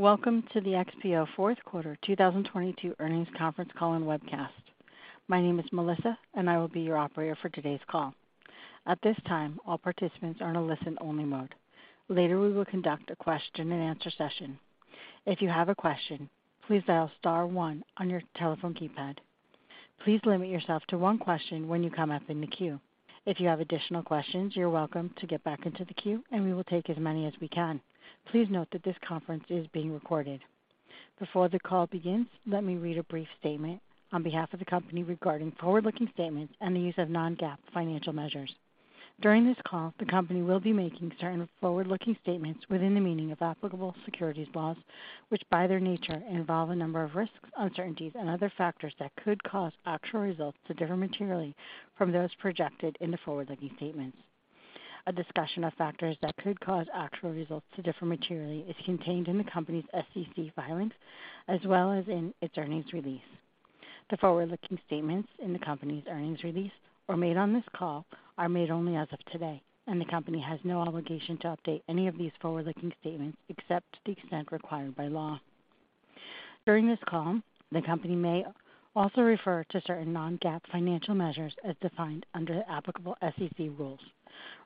Welcome to the XPO Fourth Quarter 2022 Earnings Conference Call and webcast. My name is Melissa, and I will be your operator for today's call. At this time, all participants are in a listen-only mode. Later, we will conduct a question-and-answer session. If you have a question, please dial star one on your telephone keypad. Please limit yourself to one question when you come up in the queue. If you have additional questions, you're welcome to get back into the queue, and we will take as many as we can. Please note that this conference is being recorded. Before the call begins, let me read a brief statement on behalf of the company regarding forward-looking statements and the use of non-GAAP financial measures. During this call, the company will be making certain forward-looking statements within the meaning of applicable securities laws, which, by their nature, involve a number of risks, uncertainties, and other factors that could cause actual results to differ materially from those projected in the forward-looking statements. A discussion of factors that could cause actual results to differ materially is contained in the company's SEC filings, as well as in its earnings release. The forward-looking statements in the company's earnings release or made on this call are made only as of today. The company has no obligation to update any of these forward-looking statements except to the extent required by law. During this call, the company may also refer to certain non-GAAP financial measures as defined under applicable SEC rules.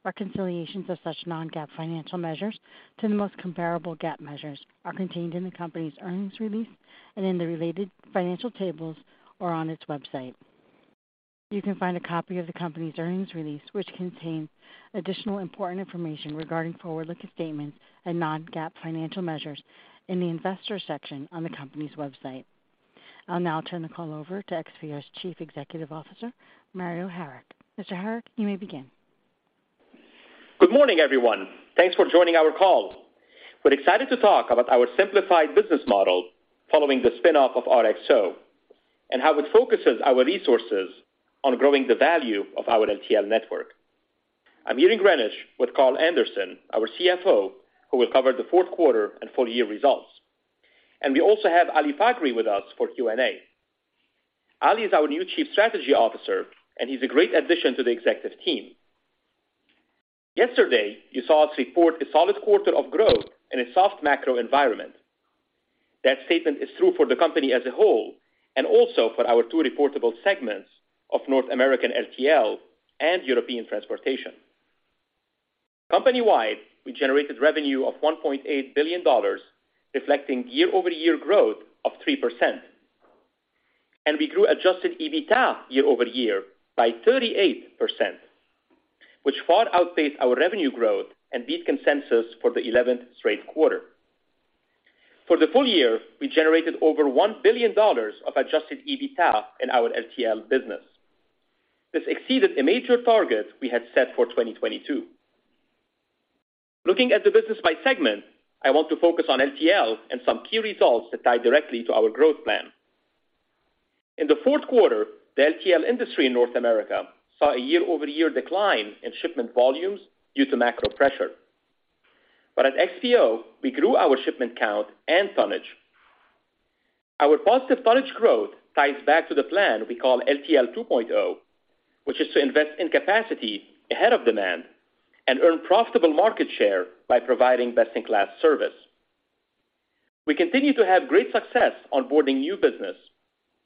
Reconciliations of such non-GAAP financial measures to the most comparable GAAP measures are contained in the company's earnings release and in the related financial tables or on its website. You can find a copy of the company's earnings release, which contains additional important information regarding forward-looking statements and non-GAAP financial measures in the investor section on the company's website. I'll now turn the call over to XPO's Chief Executive Officer, Mario Harik. Mr. Harik, you may begin. Good morning, everyone. Thanks for joining our call. We're excited to talk about our simplified business model following the spin-off of RXO and how it focuses our resources on growing the value of our LTL network. I'm here in Greenwich with Carl Anderson, our CFO, who will cover the fourth quarter and full year results. We also have Ali Faghri with us for Q&A. Ali is our new Chief Strategy Officer, and he's a great addition to the executive team. Yesterday, you saw us report a solid quarter of growth in a soft macro environment. That statement is true for the company as a whole and also for our two reportable segments of North American LTL and European Transportation. Company-wide, we generated revenue of $1.8 billion, reflecting year-over-year growth of 3%. We grew adjusted EBITDA year-over-year by 38%, which far outpaced our revenue growth and beat consensus for the 11th straight quarter. For the full year, we generated over $1 billion of adjusted EBITDA in our LTL business. This exceeded a major target we had set for 2022. Looking at the business by segment, I want to focus on LTL and some key results that tie directly to our growth plan. In the fourth quarter, the LTL industry in North America saw a year-over-year decline in shipment volumes due to macro pressure. At XPO, we grew our shipment count and tonnage. Our positive tonnage growth ties back to the plan we call LTL 2.0, which is to invest in capacity ahead of demand and earn profitable market share by providing best-in-class service. We continue to have great success onboarding new business,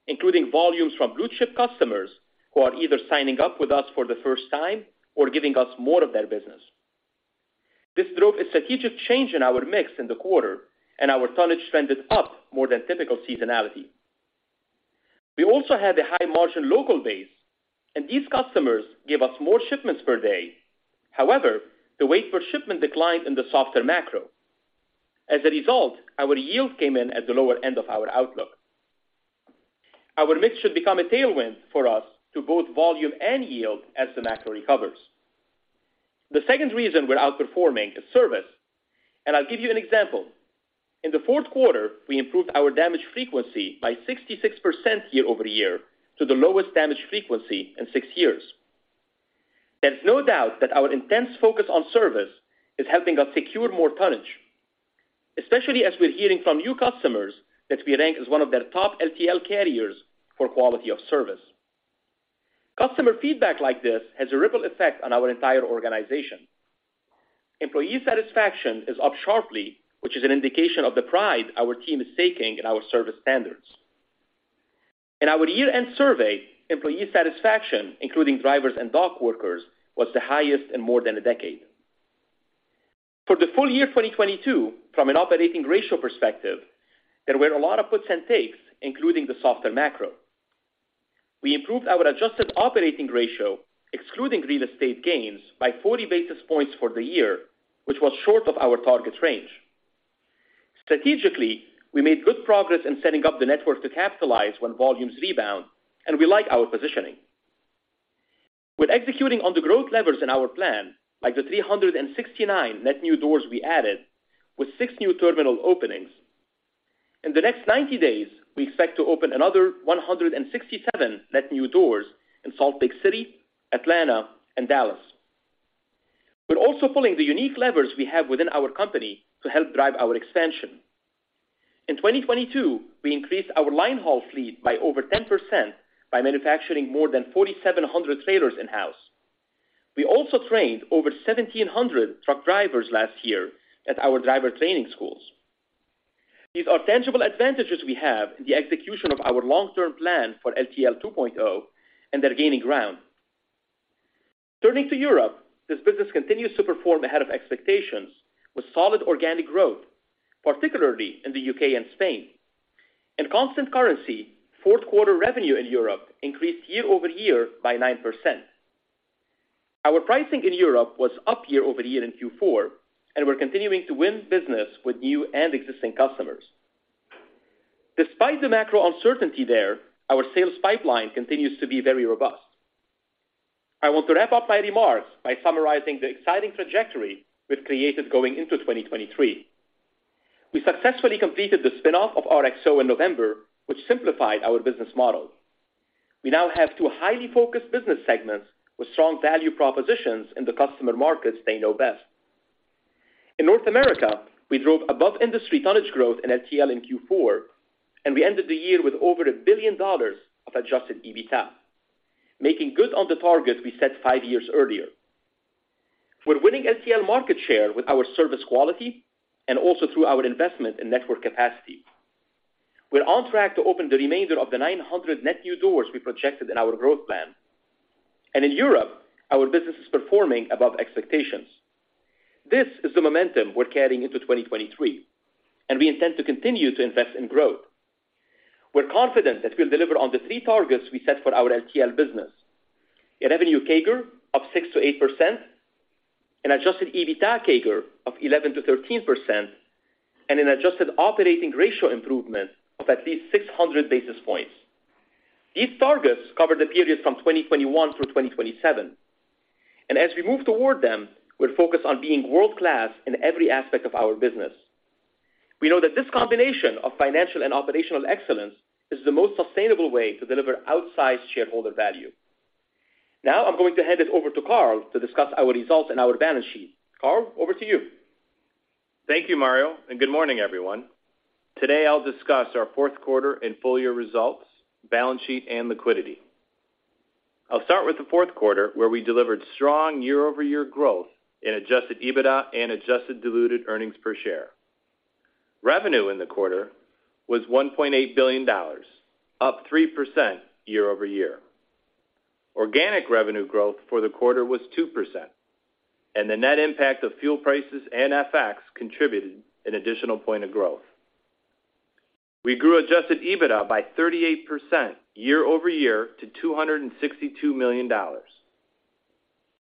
including volumes from blue-chip customers who are either signing up with us for the first time or giving us more of their business. This drove a strategic change in our mix in the quarter. Our tonnage trended up more than typical seasonality. We also had a high-margin local base. These customers gave us more shipments per day. However, the weight per shipment declined in the softer macro. As a result, our yield came in at the lower end of our outlook. Our mix should become a tailwind for us to both volume and yield as the macro recovers. The second reason we're outperforming is service. I'll give you an example. In the fourth quarter, we improved our damage frequency by 66% year-over-year to the lowest damage frequency in six years. There's no doubt that our intense focus on service is helping us secure more tonnage, especially as we're hearing from new customers that we rank as one of their top LTL carriers for quality of service. Customer feedback like this has a ripple effect on our entire organization. Employee satisfaction is up sharply, which is an indication of the pride our team is taking in our service standards. In our year-end survey, employee satisfaction, including drivers and dock workers, was the highest in more than a decade. For the full year 2022, from an operating ratio perspective, there were a lot of puts and takes, including the softer macro. We improved our adjusted operating ratio, excluding real estate gains, by 40 basis points for the year, which was short of our target range. Strategically, we made good progress in setting up the network to capitalize when volumes rebound, and we like our positioning. We're executing on the growth levers in our plan, like the 369 net new doors we added with six new terminal openings. In the next 90 days, we expect to open another 167 net new doors in Salt Lake City, Atlanta, and Dallas. We're also pulling the unique levers we have within our company to help drive our expansion. In 2022, we increased our line haul fleet by over 10% by manufacturing more than 4,700 trailers in-house. We also trained over 1,700 truck drivers last year at our driver training schools. These are tangible advantages we have in the execution of our long-term plan for LTL 2.0, and they're gaining ground. Turning to Europe, this business continues to perform ahead of expectations with solid organic growth, particularly in the U.K. and Spain. In constant currency, fourth quarter revenue in Europe increased year-over-year by 9%. Our pricing in Europe was up year-over-year in Q4, and we're continuing to win business with new and existing customers. Despite the macro uncertainty there, our sales pipeline continues to be very robust. I want to wrap up my remarks by summarizing the exciting trajectory we've created going into 2023. We successfully completed the spin-off of RXO in November, which simplified our business model. We now have two highly focused business segments with strong value propositions in the customer markets they know best. In North America, we drove above industry tonnage growth in LTL in Q4, and we ended the year with over $1 billion of adjusted EBITDA, making good on the targets we set five years earlier. We're winning LTL market share with our service quality and also through our investment in network capacity. We're on track to open the remainder of the 900 net new doors we projected in our growth plan. In Europe, our business is performing above expectations. This is the momentum we're carrying into 2023, and we intend to continue to invest in growth. We're confident that we'll deliver on the three targets we set for our LTL business, a revenue CAGR of 6%-8%, an adjusted EBITDA CAGR of 11%-13%, and an adjusted operating ratio improvement of at least 600 basis points. These targets cover the period from 2021 through 2027. As we move toward them, we're focused on being world-class in every aspect of our business. We know that this combination of financial and operational excellence is the most sustainable way to deliver outsized shareholder value. I'm going to hand it over to Carl to discuss our results and our balance sheet. Carl, over to you. Thank you, Mario. Good morning, everyone. Today, I'll discuss our fourth quarter and full year results, balance sheet, and liquidity. I'll start with the fourth quarter, where we delivered strong year-over-year growth in adjusted EBITDA and adjusted diluted earnings per share. Revenue in the quarter was $1.8 billion, up 3% year-over-year. Organic revenue growth for the quarter was 2%, the net impact of fuel prices and FX contributed an additional point of growth. We grew adjusted EBITDA by 38% year-over-year to $262 million.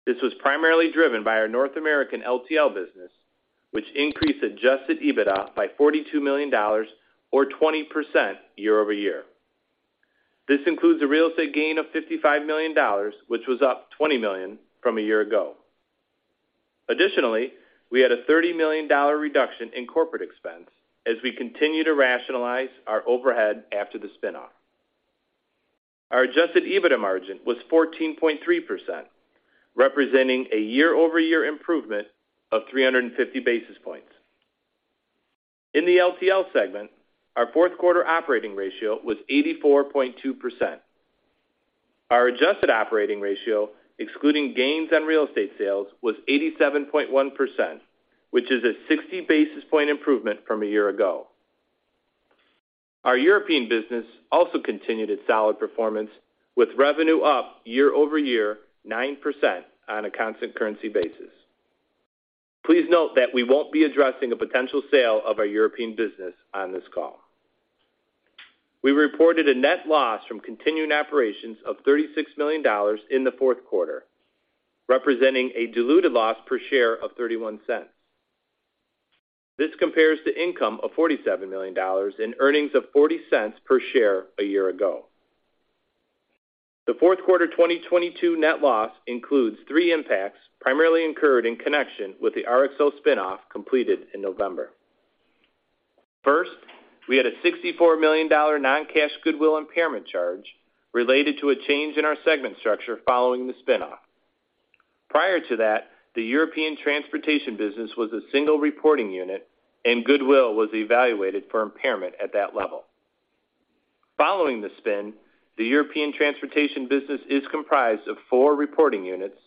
This was primarily driven by our North American LTL business, which increased adjusted EBITDA by $42 million or 20% year-over-year. This includes a real estate gain of $55 million, which was up $20 million from a year ago. We had a $30 million reduction in corporate expense as we continue to rationalize our overhead after the spin-off. Our adjusted EBITDA margin was 14.3%, representing a year-over-year improvement of 350 basis points. In the LTL segment, our fourth quarter operating ratio was 84.2%. Our adjusted operating ratio, excluding gains on real estate sales, was 87.1%, which is a 60 basis point improvement from a year ago. Our European business also continued its solid performance with revenue up year-over-year 9% on a constant currency basis. Please note that we won't be addressing a potential sale of our European business on this call. We reported a net loss from continuing operations of $36 million in the fourth quarter, representing a diluted loss per share of $0.31. This compares to income of $47 million and earnings of $0.40 per share a year ago. The fourth quarter of 2022 net loss includes three impacts, primarily incurred in connection with the RXO spin-off completed in November. First, we had a $64 million non-cash goodwill impairment charge related to a change in our segment structure following the spin-off. Prior to that, the European Transportation business was a single reporting unit, and goodwill was evaluated for impairment at that level. Following the spin, the European Transportation business is comprised of four reporting units,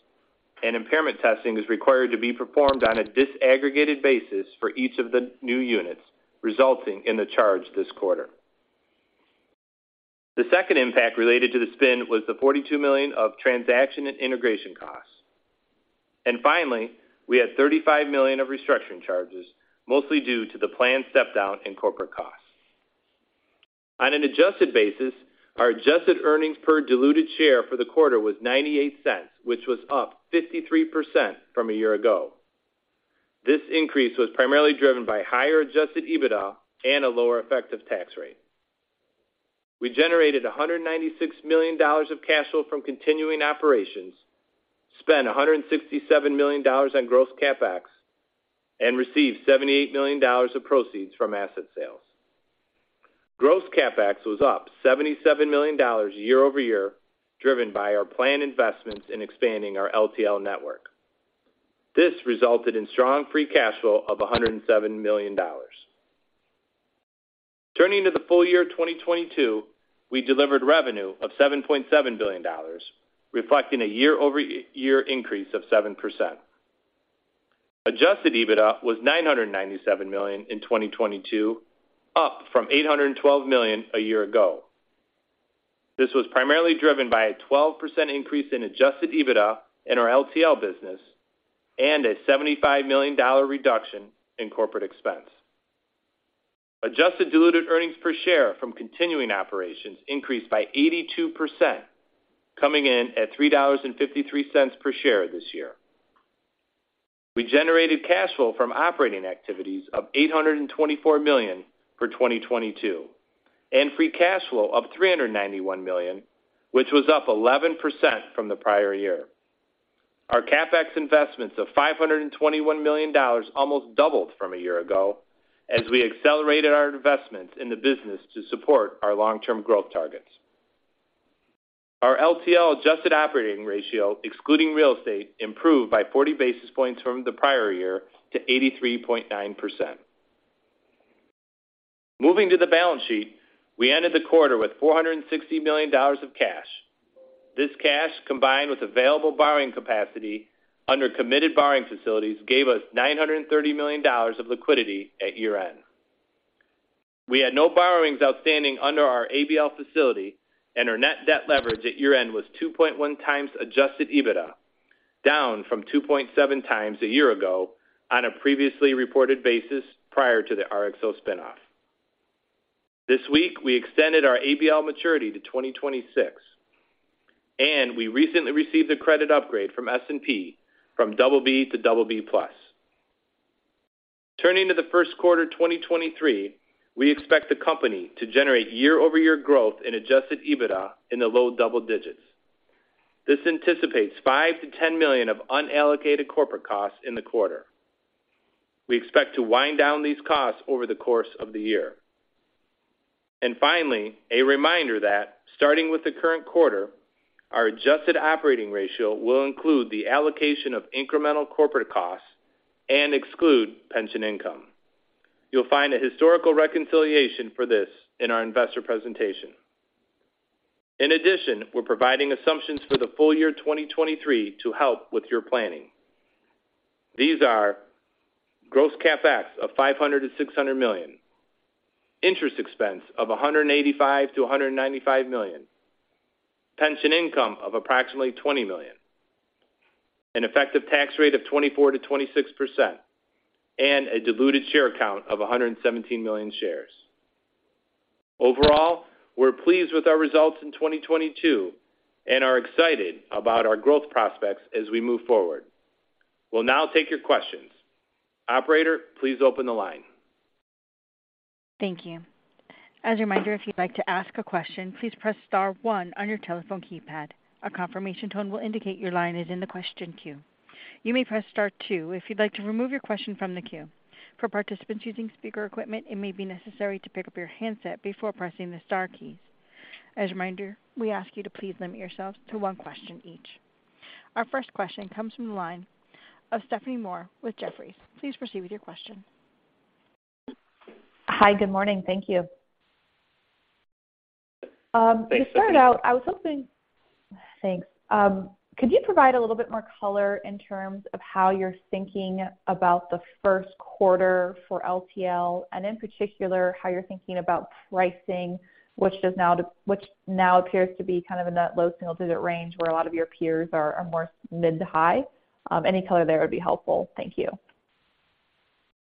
and impairment testing is required to be performed on a disaggregated basis for each of the new units, resulting in the charge this quarter. The second impact related to the spin was the $42 million of transaction and integration costs. Finally, we had $35 million of restructuring charges, mostly due to the planned step down in corporate costs. On an adjusted basis, our adjusted earnings per diluted share for the quarter was $0.98, which was up 53% from a year ago. This increase was primarily driven by higher adjusted EBITDA and a lower effective tax rate. We generated $196 million of cash flow from continuing operations, spent $167 million on gross CapEx, and received $78 million of proceeds from asset sales. Gross CapEx was up $77 million year-over-year, driven by our planned investments in expanding our LTL network. This resulted in strong free cash flow of $107 million. Turning to the full year 2022, we delivered revenue of $7.7 billion, reflecting a year-over-year increase of 7%. Adjusted EBITDA was $997 million in 2022, up from $812 million a year ago. This was primarily driven by a 12% increase in adjusted EBITDA in our LTL business and a $75 million reduction in corporate expense. Adjusted diluted earnings per share from continuing operations increased by 82%, coming in at $3.53 per share this year. We generated cash flow from operating activities of $824 million for 2022, and free cash flow of $391 million, which was up 11% from the prior year. Our CapEx investments of $521 million almost doubled from a year ago as we accelerated our investments in the business to support our long-term growth targets. Our LTL adjusted operating ratio, excluding real estate, improved by 40 basis points from the prior year to 83.9%. Moving to the balance sheet, we ended the quarter with $460 million of cash. This cash, combined with available borrowing capacity under committed borrowing facilities, gave us $930 million of liquidity at year-end. We had no borrowings outstanding under our ABL facility, and our net debt leverage at year-end was 2.1x adjusted EBITDA, down from 2.7x a year ago on a previously reported basis prior to the RXO spin-off. This week, we extended our ABL maturity to 2026, and we recently received a credit upgrade from S&P from BB to BB+. Turning to the first quarter 2023, we expect the company to generate year-over-year growth in adjusted EBITDA in the low double digits. This anticipates $5 million-$10 million of unallocated corporate costs in the quarter. We expect to wind down these costs over the course of the year. Finally, a reminder that starting with the current quarter, our adjusted operating ratio will include the allocation of incremental corporate costs and exclude pension income. You'll find a historical reconciliation for this in our investor presentation. In addition, we're providing assumptions for the full year 2023 to help with your planning. These are gross CapEx of $500 million-$600 million, interest expense of $185 million-$195 million, pension income of approximately $20 million, an effective tax rate of 24%-26%, and a diluted share count of 117 million shares. Overall, we're pleased with our results in 2022 and are excited about our growth prospects as we move forward. We'll now take your questions. Operator, please open the line. Thank you. As a reminder, if you'd like to ask a question, please press star one on your telephone keypad. A confirmation tone will indicate your line is in the question queue. You may press star two if you'd like to remove your question from the queue. For participants using speaker equipment, it may be necessary to pick up your handset before pressing the star keys. As a reminder, we ask you to please limit yourselves to one question each. Our first question comes from the line of Stephanie Moore with Jefferies. Please proceed with your question. Hi. Good morning. Thank you. Thanks, Stephanie. Thanks. Could you provide a little bit more color in terms of how you're thinking about the first quarter for LTL, and in particular, how you're thinking about pricing, which now appears to be kind of in that low single-digit range where a lot of your peers are more mid to high? Any color there would be helpful. Thank you.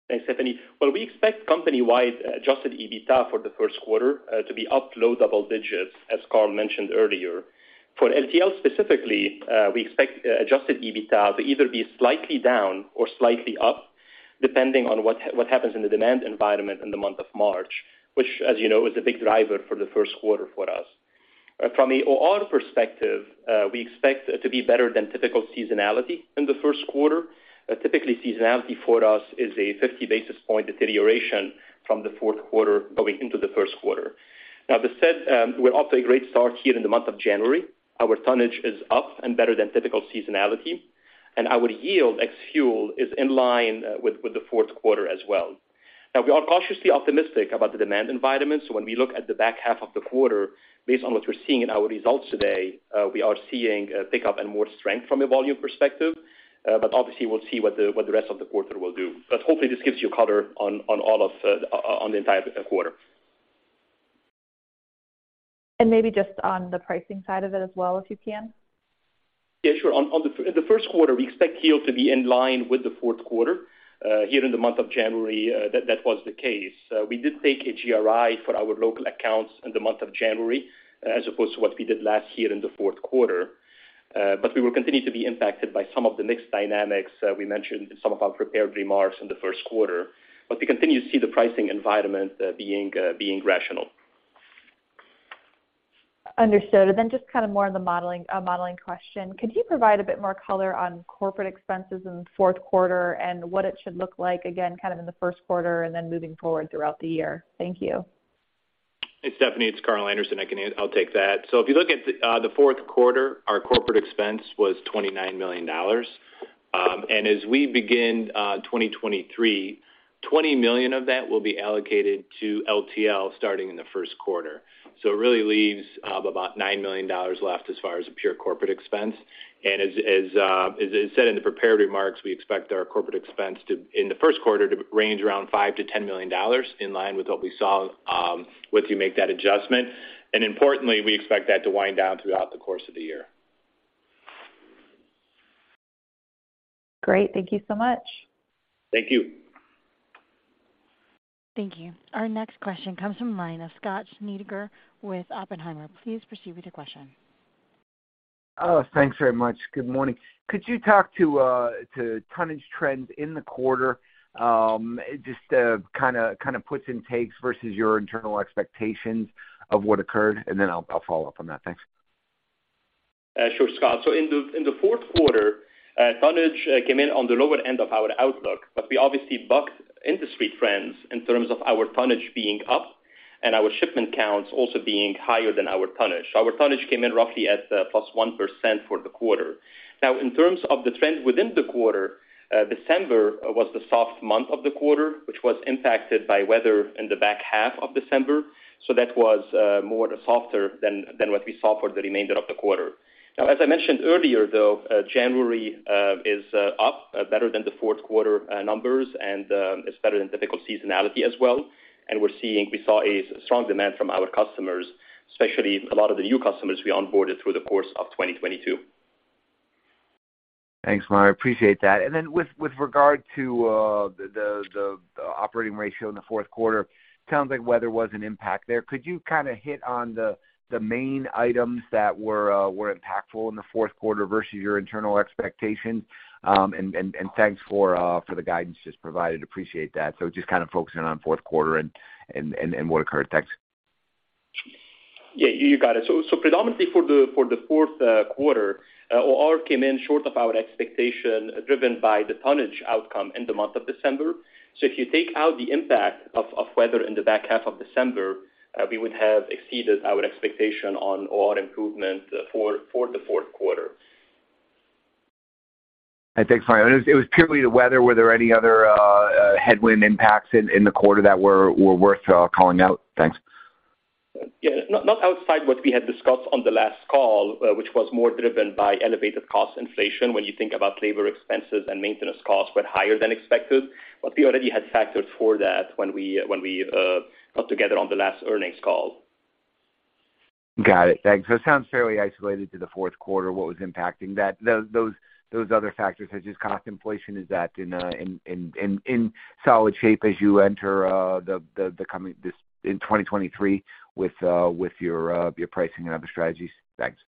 Thanks, Stephanie. Well, we expect company-wide adjusted EBITDA for the first quarter to be up low double digits, as Carl mentioned earlier. For LTL specifically, we expect adjusted EBITDA to either be slightly down or slightly up, depending on what happens in the demand environment in the month of March, which as you know, is a big driver for the first quarter for us. From a OR perspective, we expect it to be better than typical seasonality in the first quarter. Typically, seasonality for us is a 50 basis point deterioration from the fourth quarter going into the first quarter. That said, we're off to a great start here in the month of January. Our tonnage is up and better than typical seasonality, and our yield ex fuel is in line with the fourth quarter as well. We are cautiously optimistic about the demand environment. When we look at the back half of the quarter, based on what we're seeing in our results today, we are seeing a pickup and more strength from a volume perspective. Obviously, we'll see what the rest of the quarter will do. Hopefully, this gives you color on all of, on the entire quarter. Maybe just on the pricing side of it as well, if you can. Yeah, sure. In the first quarter, we expect yield to be in line with the fourth quarter. Here in the month of January, that was the case. We did take a GRI for our local accounts in the month of January, as opposed to what we did last year in the fourth quarter. We will continue to be impacted by some of the mix dynamics we mentioned in some of our prepared remarks in the first quarter. We continue to see the pricing environment being rational. Understood. Just kind of more on the modeling question, could you provide a bit more color on corporate expenses in the fourth quarter and what it should look like, again, kind of in the first quarter and then moving forward throughout the year? Thank you. Hey, Stephanie, it's Carl Anderson. I'll take that. If you look at the fourth quarter, our corporate expense was $29 million. As we begin 2023, $20 million of that will be allocated to LTL starting in the first quarter. It really leaves about $9 million left as far as the pure corporate expense. As is said in the prepared remarks, we expect our corporate expense in the first quarter to range around $5 million-$10 million, in line with what we saw once you make that adjustment. Importantly, we expect that to wind down throughout the course of the year. Great. Thank you so much. Thank you. Thank you. Our next question comes from line of Scott Schneeberger with Oppenheimer. Please proceed with your question. Oh, thanks very much. Good morning. Could you talk to tonnage trends in the quarter, just kinda puts and takes versus your internal expectations of what occurred, and then I'll follow up on that. Thanks. Sure, Scott. In the fourth quarter, tonnage came in on the lower end of our outlook, but we obviously bucked industry trends in terms of our tonnage being up and our shipment counts also being higher than our tonnage. Our tonnage came in roughly at plus 1% for the quarter. In terms of the trends within the quarter, December was the soft month of the quarter, which was impacted by weather in the back half of December. That was more softer than what we saw for the remainder of the quarter. As I mentioned earlier, though, January is up better than the fourth quarter numbers, and it's better than typical seasonality as well. We saw a strong demand from our customers, especially a lot of the new customers we onboarded through the course of 2022. Thanks, Mario. Appreciate that. With regard to the operating ratio in the fourth quarter, sounds like weather was an impact there. Could you kinda hit on the main items that were impactful in the fourth quarter versus your internal expectations? Thanks for the guidance just provided. Appreciate that. Just kind of focusing on fourth quarter and what occurred. Thanks. Yeah, you got it. Predominantly for the fourth quarter, OR came in short of our expectation, driven by the tonnage outcome in the month of December. If you take out the impact of weather in the back half of December, we would have exceeded our expectation on OR improvement for the fourth quarter. Thanks, Mario. It was purely the weather. Were there any other headwind impacts in the quarter that were worth calling out? Thanks. Yeah. Not outside what we had discussed on the last call, which was more driven by elevated cost inflation, when you think about labor expenses and maintenance costs were higher than expected. We already had factored for that when we got together on the last earnings call. Got it. Thanks. It sounds fairly isolated to the fourth quarter, what was impacting that? Those other factors such as cost inflation, is that in solid shape as you enter 2023 with your pricing and other strategies? Thanks.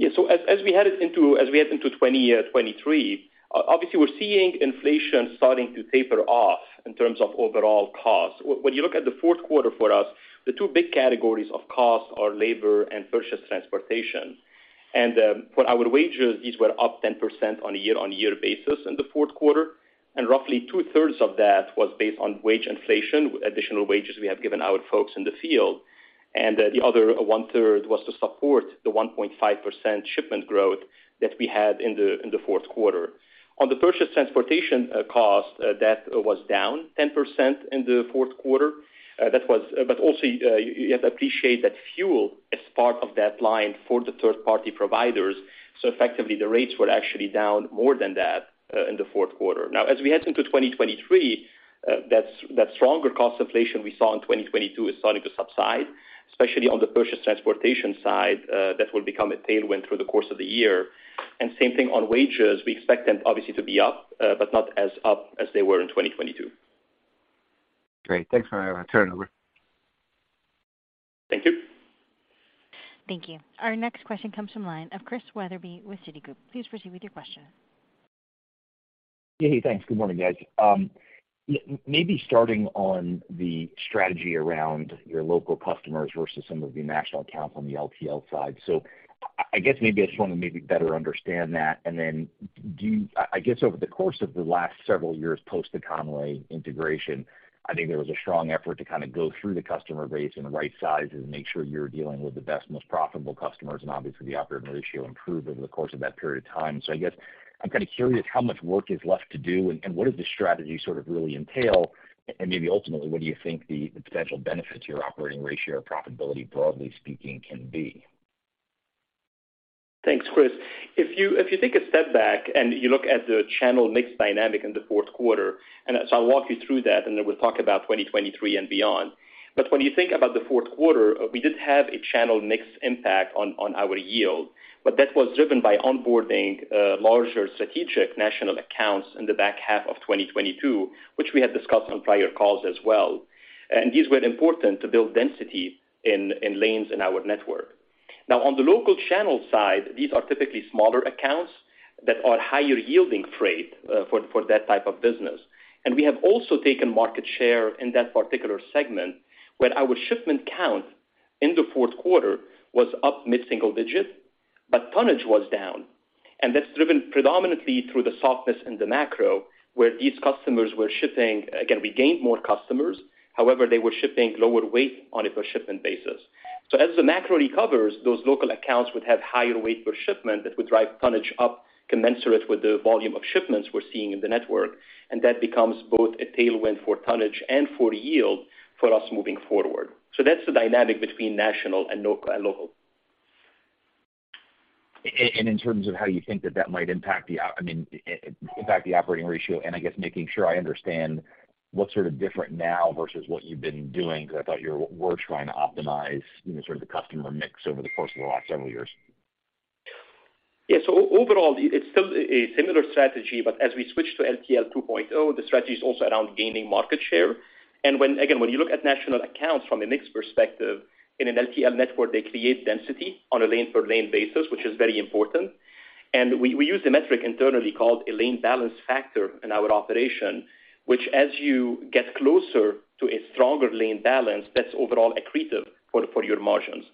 As we head into 2023, obviously we're seeing inflation starting to taper off in terms of overall cost. When you look at the fourth quarter for us, the two big categories of cost are labor and purchase transportation. For our wages, these were up 10% on a year-over-year basis in the fourth quarter, roughly two-thirds of that was based on wage inflation, additional wages we have given our folks in the field, the other one-third was to support the 1.5% shipment growth that we had in the fourth quarter. On the purchase transportation cost, that was down 10% in the fourth quarter. Also, you have to appreciate that fuel is part of that line for the third party providers, so effectively the rates were actually down more than that in the fourth quarter. As we head into 2023, that stronger cost inflation we saw in 2022 is starting to subside, especially on the purchase transportation side. That will become a tailwind through the course of the year. Same thing on wages. We expect them obviously to be up, but not as up as they were in 2022. Great. Thanks, Mario. Turn it over. Thank you. Thank you. Our next question comes from line of Chris Wetherbee with Citigroup. Please proceed with your question. Yeah. Thanks. Good morning, guys. Maybe starting on the strategy around your local customers versus some of the national accounts on the LTL side. I guess maybe I just wanna maybe better understand that. Then I guess over the course of the last several years post the Con-way integration, I think there was a strong effort to kinda go through the customer base and right-size it and make sure you're dealing with the best, most profitable customers, and obviously the operating ratio improved over the course of that period of time. I guess I'm kinda curious how much work is left to do and what does the strategy sort of really entail? Maybe ultimately, what do you think the potential benefit to your operating ratio or profitability, broadly speaking, can be? Thanks, Chris. If you take a step back and you look at the channel mix dynamic in the fourth quarter, I'll walk you through that, and then we'll talk about 2023 and beyond. When you think about the fourth quarter, we did have a channel mix impact on our yield, but that was driven by onboarding larger strategic national accounts in the back half of 2022, which we had discussed on prior calls as well. These were important to build density in lanes in our network. Now, on the local channel side, these are typically smaller accounts that are higher yielding freight for that type of business. We have also taken market share in that particular segment, where our shipment count in the fourth quarter was up mid-single digit, but tonnage was down. That's driven predominantly through the softness in the macro, where these customers were shipping. Again, we gained more customers. However, they were shipping lower weight on a per shipment basis. As the macro recovers, those local accounts would have higher weight per shipment that would drive tonnage up commensurate with the volume of shipments we're seeing in the network. That becomes both a tailwind for tonnage and for yield for us moving forward. That's the dynamic between national and local. In terms of how you think that that might impact, I mean, impact the operating ratio, and I guess making sure I understand what's sort of different now versus what you've been doing because I thought you were trying to optimize, you know, sort of the customer mix over the course of the last several years. Overall, it's still a similar strategy, but as we switch to LTL 2.0, the strategy is also around gaining market share. Again, when you look at national accounts from a mix perspective, in an LTL network, they create density on a lane per lane basis, which is very important. We use a metric internally called a lane balance factor in our operation, which as you get closer to a stronger lane balance, that's overall accretive for your margins.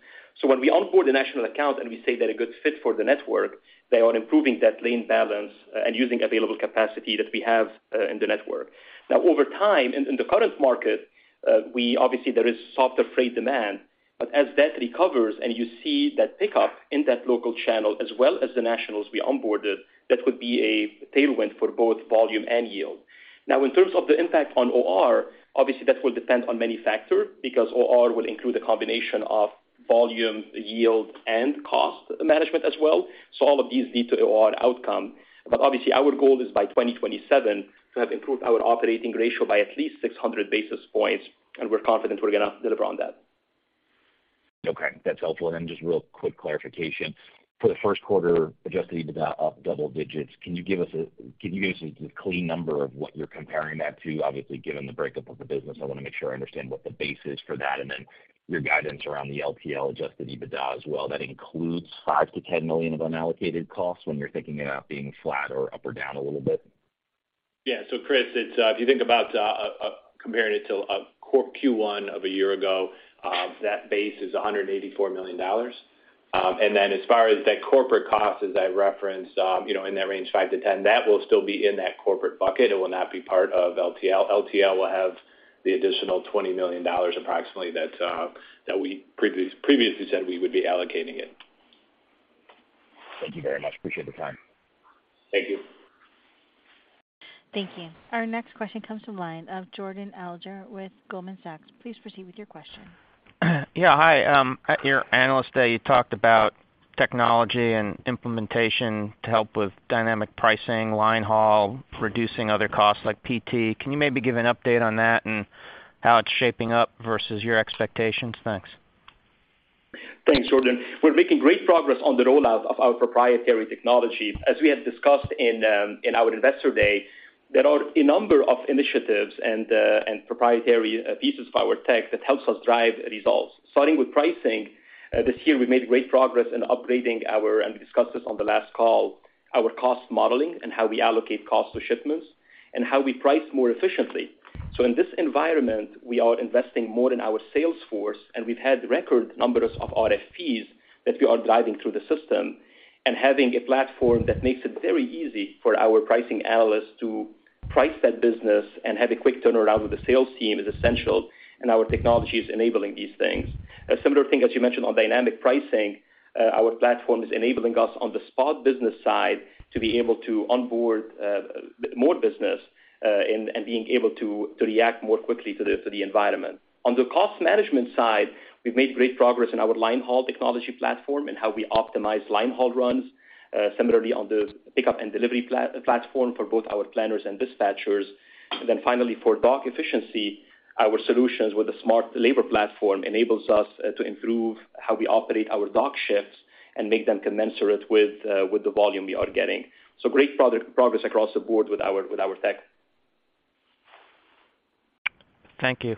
When we onboard a national account and we say they're a good fit for the network, they are improving that lane balance and using available capacity that we have in the network. Over time, in the current market, we obviously there is softer freight demand. As that recovers and you see that pickup in that local channel as well as the nationals we onboarded, that would be a tailwind for both volume and yield. In terms of the impact on OR, obviously that will depend on many factors because OR will include a combination of volume, yield, and cost management as well. All of these lead to OR outcome. Obviously, our goal is by 2027 to have improved our operating ratio by at least 600 basis points, and we're confident we're gonna deliver on that. Okay, that's helpful. Then just real quick clarification. For the first quarter, adjusted EBITDA up double digits. Can you give us a clean number of what you're comparing that to? Obviously, given the breakup of the business, I want to make sure I understand what the base is for that. Then your guidance around the LTL adjusted EBITDA as well, that includes $5 million-$10 million of unallocated costs when you're thinking about being flat or up or down a little bit. Yeah. Chris, it's, if you think about, comparing it to core Q1 of a year ago, that base is $184 million. As far as that corporate cost, as I referenced, you know, in that range, $5 million-$10 million, that will still be in that corporate bucket. It will not be part of LTL. LTL will have the additional $20 million approximately that we previously said we would be allocating it. Thank you very much. Appreciate the time. Thank you. Thank you. Our next question comes from line of Jordan Alliger with Goldman Sachs. Please proceed with your question. Hi, your Analyst Day, you talked about technology and implementation to help with dynamic pricing, line haul, reducing other costs like PT. Can you maybe give an update on that and how it's shaping up versus your expectations? Thanks. Thanks, Jordan. We're making great progress on the rollout of our proprietary technology. As we have discussed in our Investor Day, there are a number of initiatives and proprietary pieces of our tech that helps us drive results. Starting with pricing, this year, we made great progress in upgrading our, and we discussed this on the last call, our cost modeling and how we allocate cost to shipments and how we price more efficiently. In this environment, we are investing more in our sales force, and we've had record numbers of RFPs that we are driving through the system. Having a platform that makes it very easy for our pricing analysts to price that business and have a quick turnaround with the sales team is essential, and our technology is enabling these things. A similar thing, as you mentioned on dynamic pricing, our platform is enabling us on the spot business side to be able to onboard more business and being able to react more quickly to the environment. On the cost management side, we've made great progress in our line haul technology platform and how we optimize line haul runs, similarly on the pickup and delivery platform for both our planners and dispatchers. Finally, for dock efficiency, our solutions with a smart labor platform enables us to improve how we operate our dock shifts and make them commensurate with the volume we are getting. Great progress across the board with our tech. Thank you.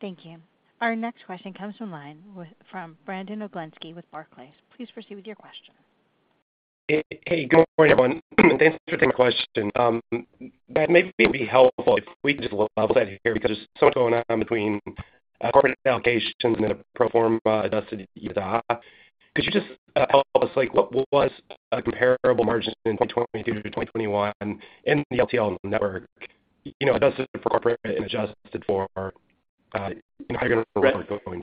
Thank you. Our next question comes from Brandon Oglenski with Barclays. Please proceed with your question. Hey, good morning, everyone. Thanks for taking my question. Maybe it'd be helpful if we could just level set here because there's so much going on between corporate allocations and then a pro forma adjusted EBITDA. Could you just help us, like, what was a comparable margin in 2020 through to 2021 in the LTL network? You know, adjusted for corporate and adjusted for, you know, how you're going to work going forward.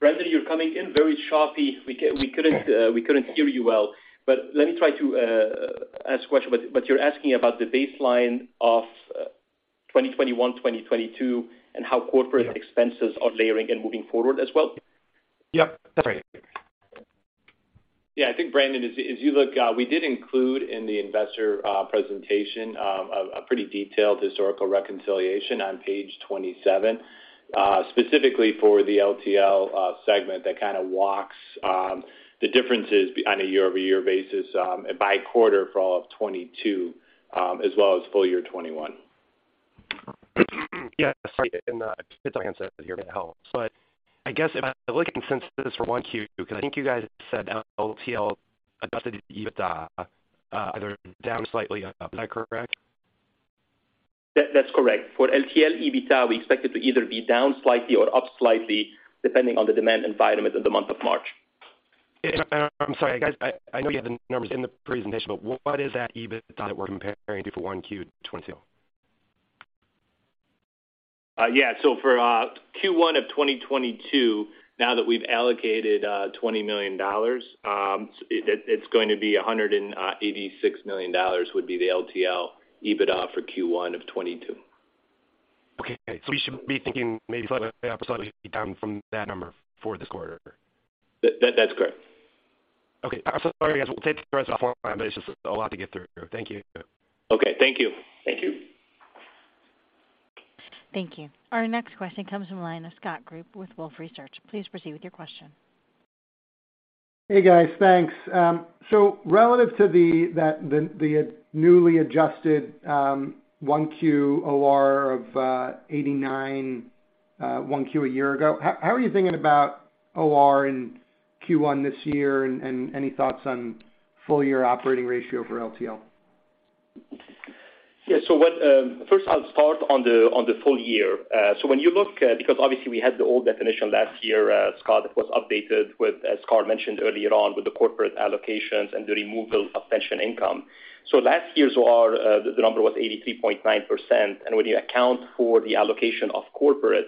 Brandon, you're coming in very choppy. We couldn't hear you well, but let me try to ask a question. You're asking about the baseline of 2021, 2022, and how corporate expenses are layering and moving forward as well? Yep, that's right. Yeah. I think, Brandon, as you look, we did include in the investor presentation, a pretty detailed historical reconciliation on page 27, specifically for the LTL segment that kind of walks the differences on a year-over-year basis, and by quarter for all of 2022, as well as full year 2021. Yeah. Sorry. It's on here. That helps. I guess if I look at consensus for 1Q, because I think you guys said LTL adjusted EBITDA, either down slightly. Am I correct? That's correct. For LTL EBITDA, we expect it to either be down slightly or up slightly depending on the demand environment in the month of March. I'm sorry, guys. I know you have the numbers in the presentation, but what is that EBITDA that we're comparing to for Q1 2022? Yeah. For Q1 of 2022, now that we've allocated $20 million, it's going to be $186 million would be the LTL EBITDA for Q1 of 2022. Okay. We should be thinking maybe slightly up or slightly down from that number for this quarter. That's correct. Okay. Sorry, guys. We'll take the rest offline, but it's just a lot to get through. Thank you. Okay, thank you. Thank you. Thank you. Our next question comes from the line of Scott Group with Wolfe Research. Please proceed with your question. Hey, guys. Thanks. Relative to the newly adjusted, 1Q OR of 89%, 1Q a year ago, how are you thinking about OR in Q1 this year, and any thoughts on full year operating ratio for LTL? Yeah. What, First, I'll start on the, on the full year. When you look, because obviously we had the old definition last year, Scott, that was updated with, as Carl mentioned earlier on, with the corporate allocations and the removal of pension income. Last year's OR, the number was 83.9%, and when you account for the allocation of corporate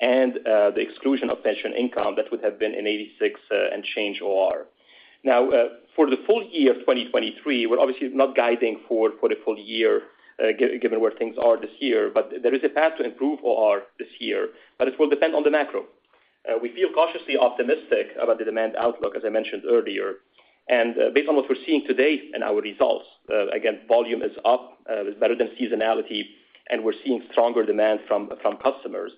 and, the exclusion of pension income, that would have been an 86%, and change OR. For the full year of 2023, we're obviously not guiding forward for the full year given where things are this year. There is a path to improve OR this year, but it will depend on the macro. We feel cautiously optimistic about the demand outlook, as I mentioned earlier. Based on what we're seeing to date in our results, again, volume is up. It's better than seasonality, we're seeing stronger demand from customers.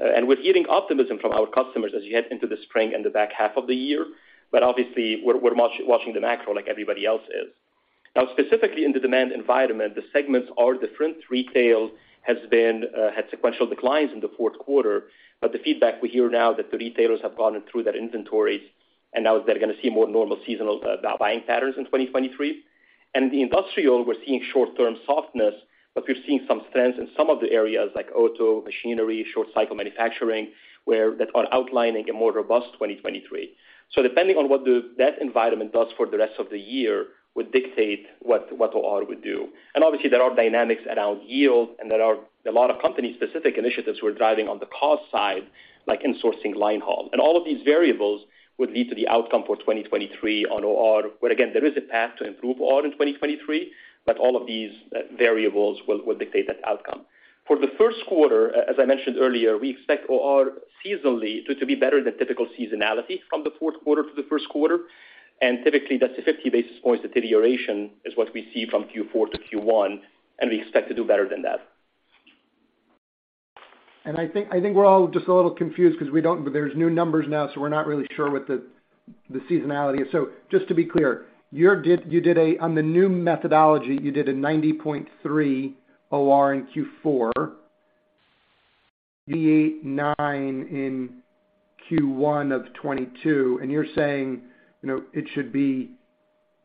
We're hearing optimism from our customers as you head into the spring and the back half of the year. Obviously we're watching the macro like everybody else is. Now, specifically in the demand environment, the segments are different. Retail has been had sequential declines in the fourth quarter. The feedback we hear now that the retailers have gone through their inventories, now they're gonna see more normal seasonal buying patterns in 2023. The industrial, we're seeing short-term softness, we're seeing some strength in some of the areas like auto, machinery, short cycle manufacturing, that are outlining a more robust 2023. Depending on what that environment does for the rest of the year, would dictate what OR would do. Obviously, there are dynamics around yield, and there are a lot of company specific initiatives we're driving on the cost side, like insourcing line haul. All of these variables would lead to the outcome for 2023 on OR, where again, there is a path to improve OR in 2023, but all of these variables will dictate that outcome. For the first quarter, as I mentioned earlier, we expect OR seasonally to be better than typical seasonality from the fourth quarter to the first quarter. Typically that's a 50 basis points deterioration is what we see from Q4 to Q1, and we expect to do better than that. I think we're all just a little confused because we don't there's new numbers now, so we're not really sure what the seasonality is. Just to be clear, you did a, on the new methodology, you did a 90.3% OR in Q4, 88.9% in Q1 of 2022. You're saying, you know, it should be,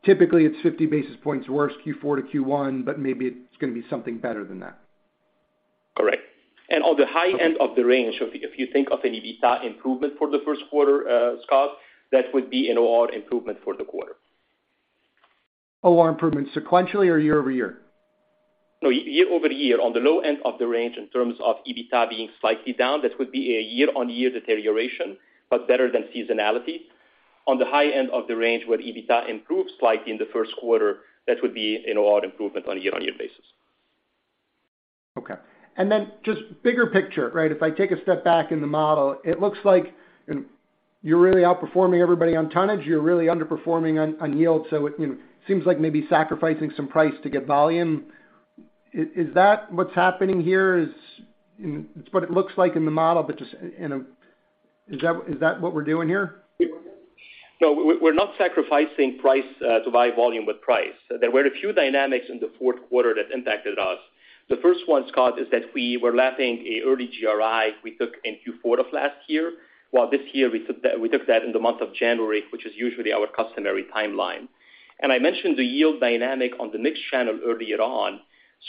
typically it's 50 basis points worse Q4 to Q1, but maybe it's gonna be something better than that. Correct. On the high end of the range, if you think of an EBITDA improvement for the first quarter, Scott, that would be an OR improvement for the quarter. OR improvement sequentially or year-over-year? No. Year-over-year on the low end of the range in terms of EBITDA being slightly down, that would be a year-on-year deterioration, but better than seasonality. On the high end of the range, where EBITDA improves slightly in the first quarter, that would be an OR improvement on a year-on-year basis. Okay. Just bigger picture, right? If I take a step back in the model, it looks like you're really outperforming everybody on tonnage. You're really underperforming on yield. It, you know, seems like maybe sacrificing some price to get volume. Is that what's happening here? It's what it looks like in the model, is that what we're doing here? No, we're not sacrificing price to buy volume with price. There were a few dynamics in the fourth quarter that impacted us. The first one, Scott, is that we were lapping a early GRI we took in Q4 of last year. While this year we took that in the month of January, which is usually our customary timeline. I mentioned the yield dynamic on the mixed channel earlier on.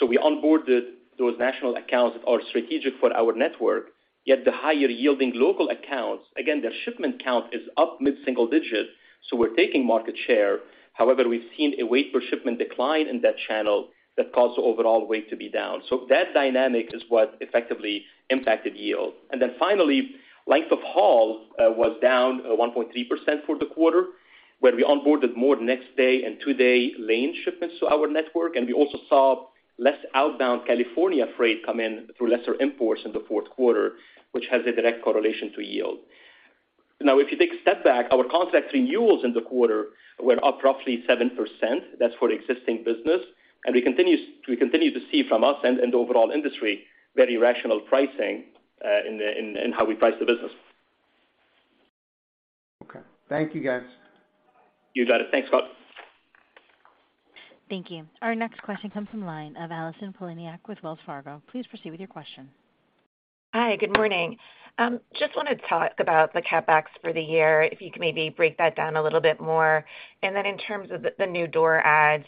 We onboarded those national accounts that are strategic for our network, yet the higher yielding local accounts, again, their shipment count is up mid-single digit, so we're taking market share. However, we've seen a weight per shipment decline in that channel that caused the overall weight to be down. That dynamic is what effectively impacted yield. Finally, length of haul was down 1.3% for the quarter, where we onboarded more next day and two-day lane shipments to our network. We also saw less outbound California freight come in through lesser imports in the fourth quarter, which has a direct correlation to yield. Now, if you take a step back, our contract renewals in the quarter were up roughly 7%. That's for existing business. We continue to see from us and the overall industry very rational pricing in how we price the business. Okay. Thank you, guys. You got it. Thanks, Scott. Thank you. Our next question comes from line of Allison Poliniak with Wells Fargo. Please proceed with your question. Hi, good morning. Just want to talk about the CapEx for the year, if you could maybe break that down a little bit more. Then in terms of the new door adds,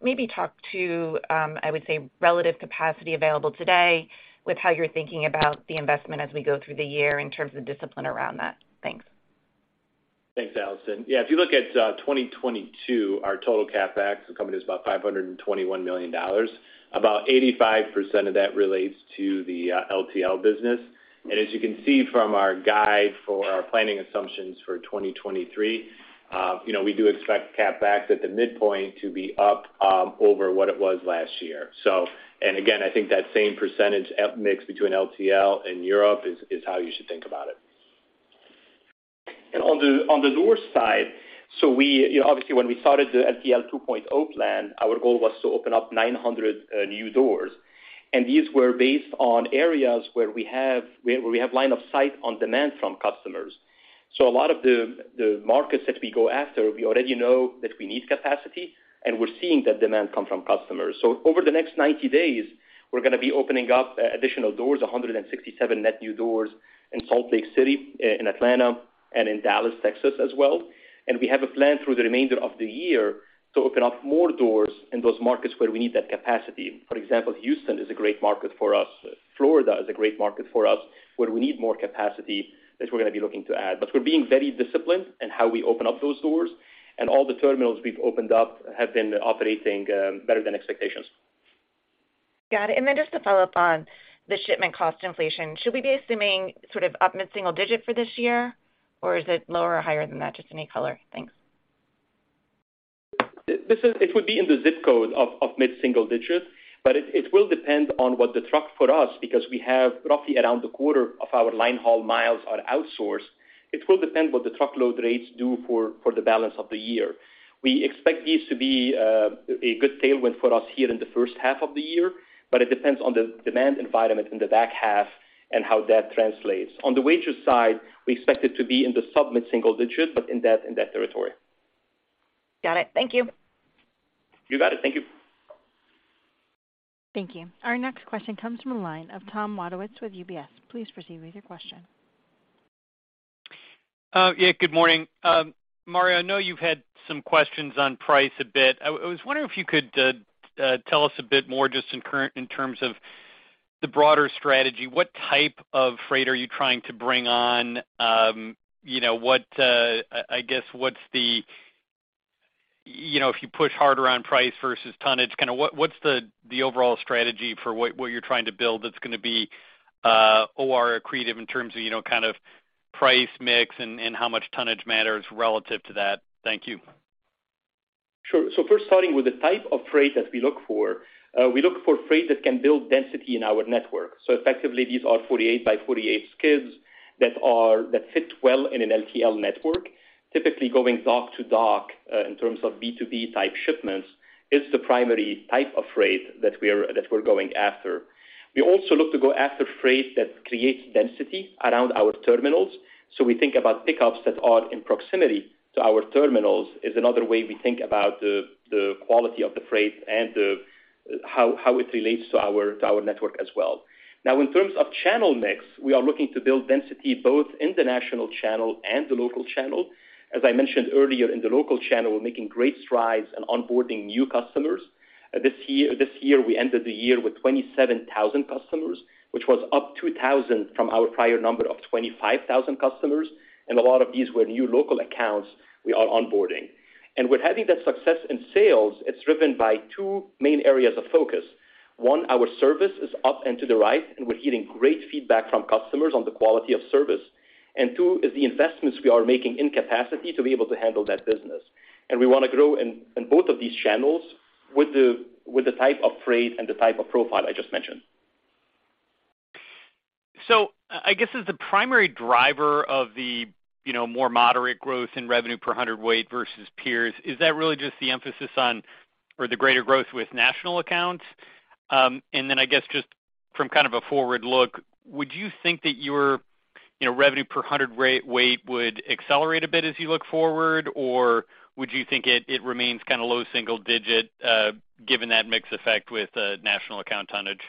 maybe talk to, I would say, relative capacity available today with how you're thinking about the investment as we go through the year in terms of discipline around that. Thanks. Thanks, Allison. Yeah, if you look at 2022, our total CapEx, the company is about $521 million. About 85% of that relates to the LTL business. As you can see from our guide for our planning assumptions for 2023, you know, we do expect CapEx at the midpoint to be up over what it was last year. Again, I think that same percentage at mix between LTL and Europe is how you should think about it. On the door side, we, you know, obviously when we started the LTL 2.0 plan, our goal was to open up 900 new doors. These were based on areas where we have line of sight on demand from customers. A lot of the markets that we go after, we already know that we need capacity, and we're seeing that demand come from customers. Over the next 90 days, we're gonna be opening up additional doors, 167 net new doors in Salt Lake City, in Atlanta, and in Dallas, Texas as well. We have a plan through the remainder of the year to open up more doors in those markets where we need that capacity. For example, Houston is a great market for us. Florida is a great market for us, where we need more capacity that we're gonna be looking to add. We're being very disciplined in how we open up those doors, and all the terminals we've opened up have been operating, better than expectations. Got it. Just to follow up on the shipment cost inflation, should we be assuming sort of up mid-single digit for this year, or is it lower or higher than that? Just any color. Thanks. It would be in the zip code of mid-single digit, but it will depend on what the truck for us, because we have roughly around a quarter of our line haul miles are outsourced. It will depend what the truckload rates do for the balance of the year. We expect these to be a good tailwind for us here in the first half of the year, but it depends on the demand environment in the back half and how that translates. On the wages side, we expect it to be in the sub-mid single digits, but in that territory. Got it. Thank you. You got it. Thank you. Thank you. Our next question comes from the line of Tom Wadewitz with UBS. Please proceed with your question. Yeah, good morning. Mario, I know you've had some questions on price a bit. I was wondering if you could tell us a bit more just in terms of the broader strategy. What type of freight are you trying to bring on? You know, what's the, you know, if you push harder on price versus tonnage, kind of what's the overall strategy for what you're trying to build that's gonna be OR accretive in terms of, kind of price mix and how much tonnage matters relative to that? Thank you. Sure. First starting with the type of freight that we look for, we look for freight that can build density in our network. Effectively, these are 48 by 48 skids that fit well in an LTL network, typically going dock to dock, in terms of B2B type shipments, is the primary type of freight that we're going after. We also look to go after freight that creates density around our terminals. We think about pickups that are in proximity to our terminals is another way we think about the quality of the freight and the how it relates to our network as well. In terms of channel mix, we are looking to build density both in the national channel and the local channel. As I mentioned earlier, in the local channel, we're making great strides in onboarding new customers. This year, we ended the year with 27,000 customers, which was up 2,000 from our prior number of 25,000 customers. A lot of these were new local accounts we are onboarding. With having that success in sales, it's driven by two main areas of focus. One, our service is up and to the right, and we're getting great feedback from customers on the quality of service. Two is the investments we are making in capacity to be able to handle that business. We wanna grow in both of these channels with the type of freight and the type of profile I just mentioned. I guess as the primary driver of the, you know, more moderate growth in revenue per hundred weight versus peers, is that really just the emphasis on, or the greater growth with national accounts? Then I guess just from kind of a forward look, would you think that your, you know, revenue per hundred weight would accelerate a bit as you look forward, or would you think it remains kind of low single digit, given that mix effect with national account tonnage?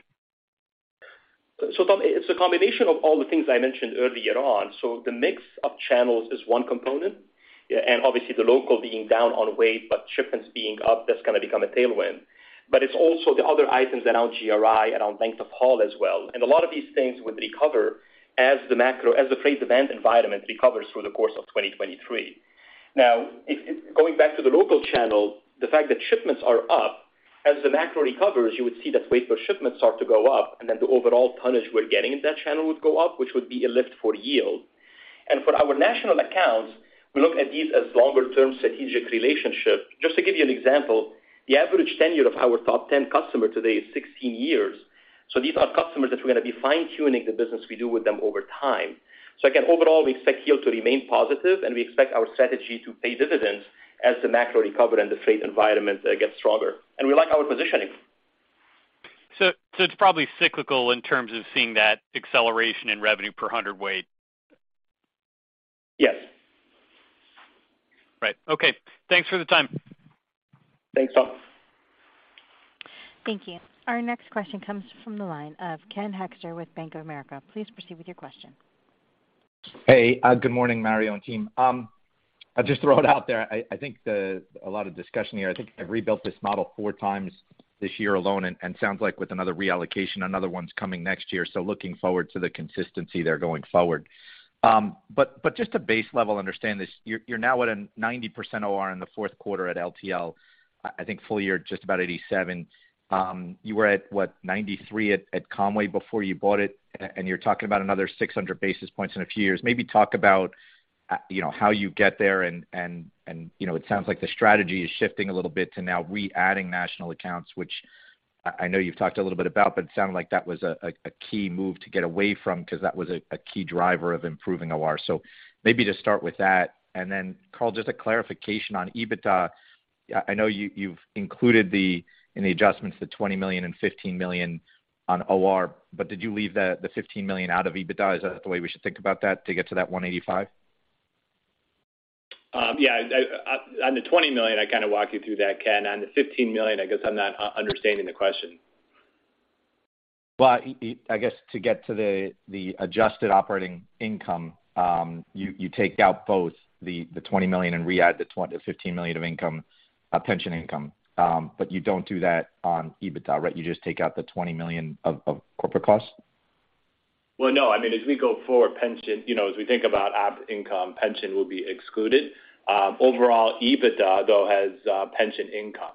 Tom, it's a combination of all the things I mentioned earlier on. The mix of channels is one component. Yeah, and obviously the local being down on weight, but shipments being up, that's gonna become a tailwind. It's also the other items around GRI, around length of haul as well. A lot of these things would recover as the macro, as the freight demand environment recovers through the course of 2023. If going back to the local channel, the fact that shipments are up, as the macro recovers, you would see that weight per shipments start to go up, and then the overall tonnage we're getting in that channel would go up, which would be a lift for yield. For our national accounts, we look at these as longer term strategic relationships. Just to give you an example, the average tenure of our top 10 customer today is 16 years. These are customers that we're gonna be fine-tuning the business we do with them over time. Again, overall, we expect yield to remain positive, and we expect our strategy to pay dividends as the macro recover and the freight environment gets stronger. We like our positioning. It's probably cyclical in terms of seeing that acceleration in revenue per hundred weight? Yes. Okay. Thanks for the time. Thanks, Tom. Thank you. Our next question comes from the line of Ken Hoexter with Bank of America. Please proceed with your question. Good morning, Mario and team. I'll just throw it out there. I think a lot of discussion here. I think I've rebuilt this model four times this year alone, sounds like with another reallocation, another one's coming next year, so looking forward to the consistency there going forward. Just to base level understand this, you're now at a 90% OR in the fourth quarter at LTL. I think full year just about 87%. You were at, what, 93% at Con-way before you bought it, and you're talking about another 600 basis points in a few years. Maybe talk about, you know, how you get there and, you know, it sounds like the strategy is shifting a little bit to now re-adding national accounts, which I know you've talked a little bit about, but it sounded like that was a key move to get away from because that was a key driver of improving OR. Maybe just start with that. Carl, just a clarification on EBITDA. I know you've included the in the adjustments, the $20 million and $15 million on OR, but did you leave the $15 million out of EBITDA? Is that the way we should think about that to get to that $185 million? Yeah. On the $20 million, I kind of walk you through that, Ken. On the $15 million, I guess I'm not understanding the question. I guess to get to the adjusted operating income, you take out both the $20 million and re-add the $15 million of income, pension income. You don't do that on EBITDA, right? You just take out the $20 million of corporate costs. Well, no. I mean, as we go forward, pension, you know, as we think about Op Income, pension will be excluded. Overall, EBITDA though has pension income.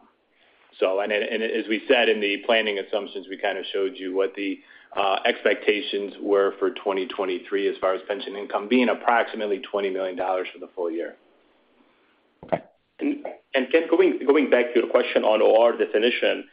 As we said in the planning assumptions, we kind of showed you what the expectations were for 2023 as far as pension income being approximately $20 million for the full year. Okay. Ken, going back to your question on OR definition,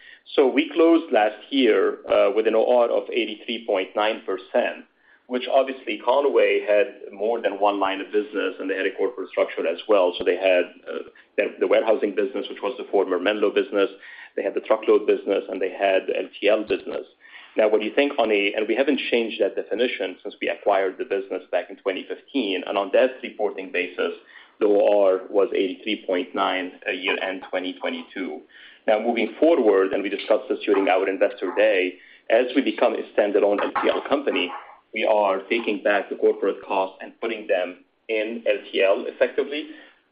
we closed last year with an OR of 83.9%, which obviously Con-way had more than one line of business, and they had a corporate structure as well. They had the web hosting business, which was the former Menlo business. They had the truckload business, and they had LTL business. We haven't changed that definition since we acquired the business back in 2015. On that reporting basis, the OR was 83.9%, year-end 2022. Moving forward, we discussed this during our Investor Day, as we become a standalone LTL company, we are taking back the corporate costs and putting them in LTL effectively.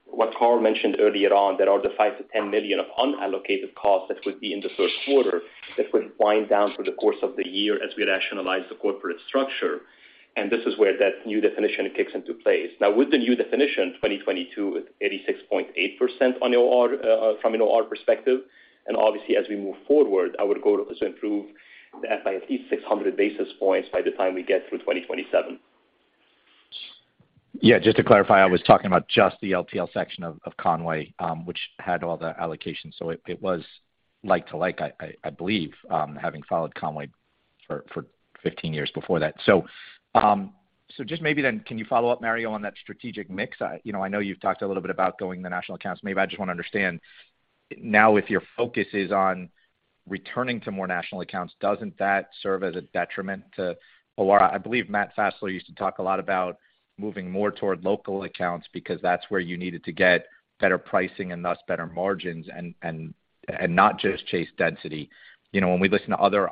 What Carl mentioned earlier on, there are the $5 million-$10 million of unallocated costs that would be in the first quarter that would wind down through the course of the year as we rationalize the corporate structure. This is where that new definition kicks into place. With the new definition, 2022 is 86.8% on OR from an OR perspective. Obviously, as we move forward, our goal is to improve that by at least 600 basis points by the time we get through 2027. Just to clarify, I was talking about just the LTL section of Con-way, which had all the allocations. It, it was like to like, I believe, having followed Con-way for 15 years before that. Just maybe then can you follow up, Mario, on that strategic mix? I know you've talked a little bit about going the national accounts. Maybe I just want to understand, now if your focus is on returning to more national accounts, doesn't that serve as a detriment to OR? I believe Matt Fassler used to talk a lot about moving more toward local accounts because that's where you needed to get better pricing and thus better margins and not just chase density. You know, when we listen to other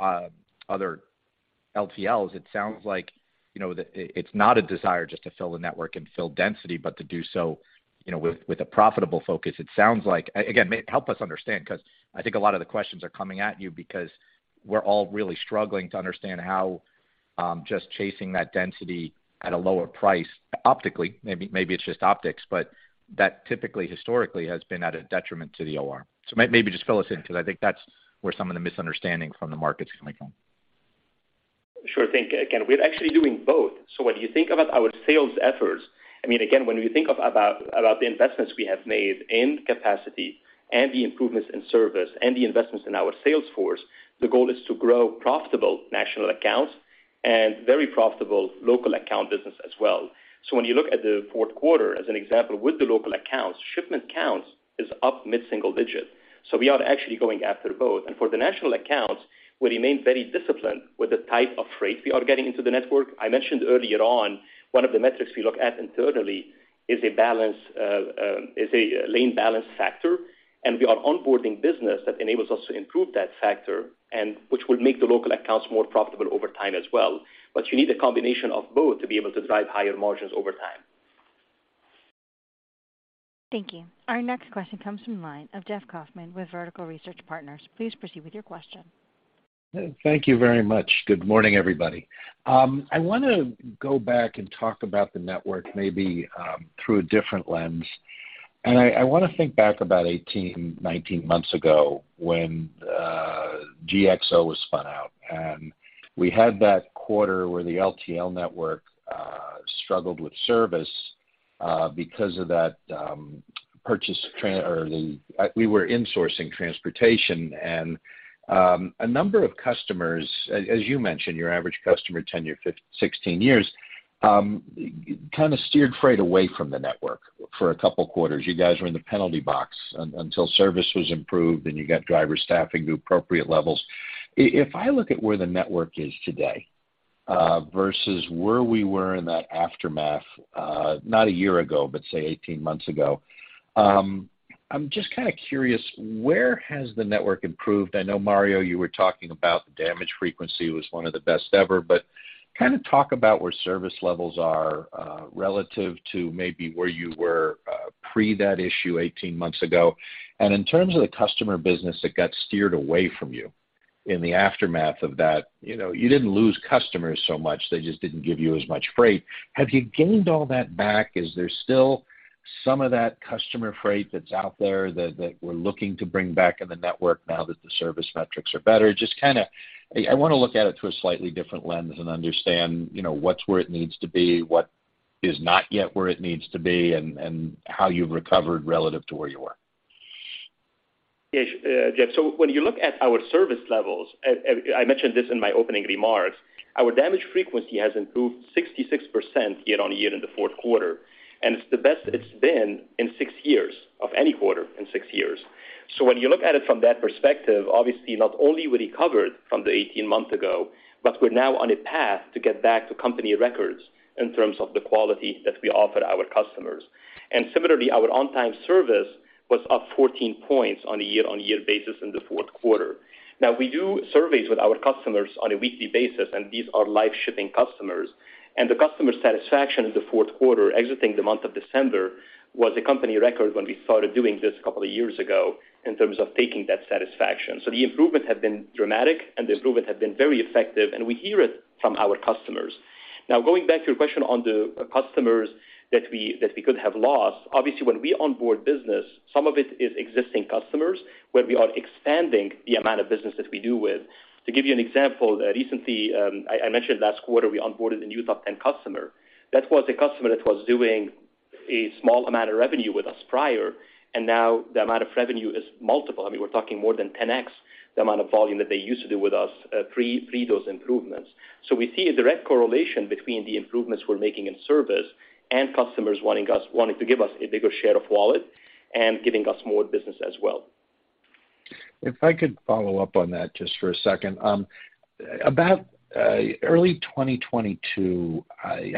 LTLs, it sounds like, you know, that it's not a desire just to fill the network and fill density, but to do so, you know, with a profitable focus. It sounds like. Again, may help us understand, 'cause I think a lot of the questions are coming at you because we're all really struggling to understand how just chasing that density at a lower price optically, maybe it's just optics, but that typically historically has been at a detriment to the OR. Just fill us in because I think that's where some of the misunderstanding from the market's coming from. Sure thing, Ken. We're actually doing both. When you think about our sales efforts, I mean, again, when we think about the investments we have made in capacity and the improvements in service and the investments in our sales force, the goal is to grow profitable national accounts and very profitable local account business as well. When you look at the fourth quarter as an example, with the local accounts, shipment counts is up mid-single digit. We are actually going after both. For the national accounts, we remain very disciplined with the type of freight we are getting into the network. I mentioned earlier on, one of the metrics we look at internally is a balance, is a lane balance factor. We are onboarding business that enables us to improve that factor and which will make the local accounts more profitable over time as well. You need a combination of both to be able to drive higher margins over time. Thank you. Our next question comes from the line of Jeff Kauffman with Vertical Research Partners. Please proceed with your question. Thank you very much. Good morning, everybody. I want to go back and talk about the network maybe, through a different lens. I want to think back about 18, 19 months ago when GXO was spun out, and we had that quarter where the LTL network struggled with service because of that, or the, we were insourcing transportation and a number of customers, as you mentioned, your average customer tenure, 16 years, kind of steered freight away from the network for a couple of quarters. You guys were in the penalty box until service was improved, and you got driver staffing to appropriate levels. If I look at where the network is today, versus where we were in that aftermath, not a year ago, but say 18 months ago. I'm just kind of curious, where has the network improved? I know, Mario, you were talking about the damage frequency was one of the best ever. Kind of talk about where service levels are relative to maybe where you were pre that issue 18 months ago. In terms of the customer business that got steered away from you in the aftermath of that, you know, you didn't lose customers so much. They just didn't give you as much freight. Have you gained all that back? Is there still some of that customer freight that's out there that we're looking to bring back in the network now that the service metrics are better? Just I want to look at it through a slightly different lens and understand, you know, what's where it needs to be, what is not yet where it needs to be, and how you've recovered relative to where you were. Yes, Jeff. When you look at our service levels, I mentioned this in my opening remarks, our damage frequency has improved 66% year-on-year in the fourth quarter, and it's the best it's been in six years, of any quarter in six years. When you look at it from that perspective, obviously not only we recovered from the 18 months ago, but we're now on a path to get back to company records in terms of the quality that we offer our customers. Similarly, our on-time service was up 14 points on a year-on-year basis in the fourth quarter. We do surveys with our customers on a weekly basis, and these are live shipping customers. The customer satisfaction in the fourth quarter exiting the month of December was a company record when we started doing this a couple of years ago in terms of taking that satisfaction. The improvements have been dramatic, and the improvements have been very effective, and we hear it from our customers. Going back to your question on the customers that we could have lost. Obviously, when we onboard business, some of it is existing customers where we are expanding the amount of business that we do with. To give you an example, recently, I mentioned last quarter we onboarded a new top 10 customer. That was a customer that was doing a small amount of revenue with us prior, and now the amount of revenue is multiple. I mean, we're talking more than 10x the amount of volume that they used to do with us, pre those improvements. We see a direct correlation between the improvements we're making in service and customers wanting to give us a bigger share of wallet and giving us more business as well. If I could follow up on that just for a second. I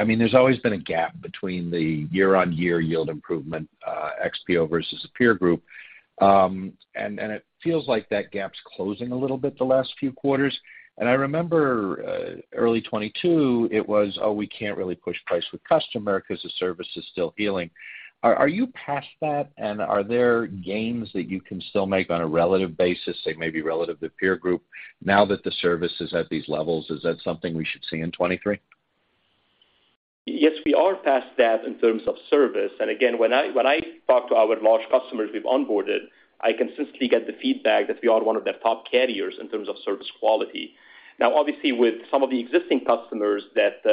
mean, there's always been a gap between the year-over-year yield improvement, XPO versus a peer group. It feels like that gap's closing a little bit the last few quarters. I remember, early 2022, it was, we can't really push price with customer because the service is still healing. Are you past that, and are there gains that you can still make on a relative basis, say maybe relative to peer group, now that the service is at these levels? Is that something we should see in 2023? Yes, we are past that in terms of service. Again, when I talk to our large customers we've onboarded, I consistently get the feedback that we are one of their top carriers in terms of service quality. Obviously, with some of the existing customers that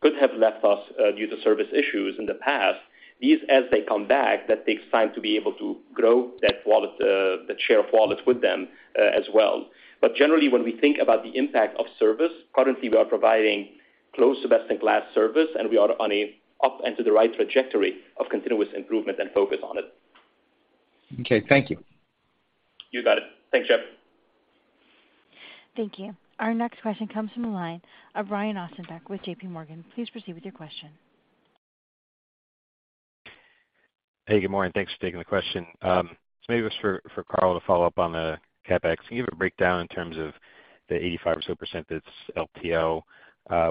could have left us due to service issues in the past, these as they come back, that takes time to be able to grow that wallet, the share of wallet with them as well. Generally, when we think about the impact of service, currently we are providing close to best in class service, and we are on a up and to the right trajectory of continuous improvement and focus on it. Okay. Thank you. You got it. Thanks, Jeff. Thank you. Our next question comes from the line of Ryan Brinkman with JPMorgan. Please proceed with your question. Hey, good morning. Thanks for taking the question. Maybe this for Carl to follow up on the CapEx. Can you give a breakdown in terms of the 85% or so that's LTL?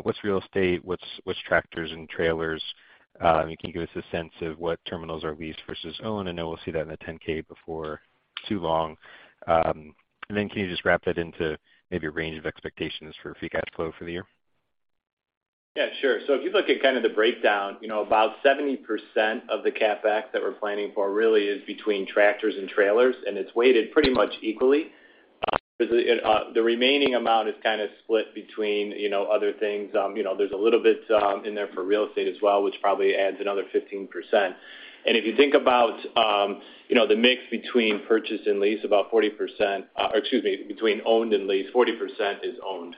What's real estate? What's tractors and trailers? I mean, can you give us a sense of what terminals are leased versus owned? I know we'll see that in the 10-K before too long. Can you just wrap that into maybe a range of expectations for free cash flow for the year? If you look at kind of the breakdown, you know, about 70% of the CapEx that we're planning for really is between tractors and trailers, and it's weighted pretty much equally. The remaining amount is kind of split between, you know, other things. You know, there's a little bit in there for real estate as well, which probably adds another 15%. If you think about the mix between purchase and lease, or excuse me, between owned and leased, 40% is owned.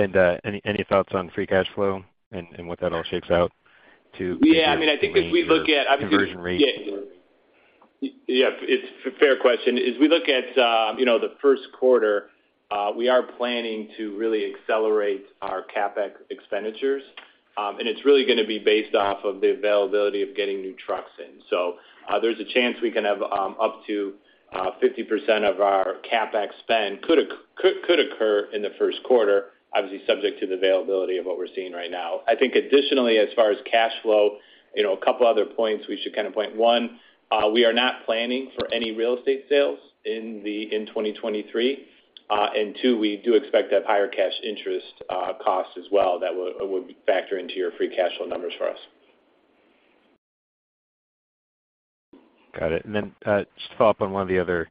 Any thoughts on free cash flow and what that all shakes out to? Yeah. I mean, I think if we look at. Conversion rates? Yeah. Yeah, it's fair question. As we look at, you know, the first quarter, we are planning to really accelerate our CapEx expenditures. It's really gonna be based off of the availability of getting new trucks in. There's a chance we can have up to 50% of our CapEx spend could occur in the first quarter, obviously subject to the availability of what we're seeing right now. I think additionally, as far as cash flow, you know, a couple other points we should kind of point. One, we are not planning for any real estate sales in 2023. Two, we do expect to have higher cash interest costs as well that will factor into your free cash flow numbers for us. Got it. Just to follow up on one of the other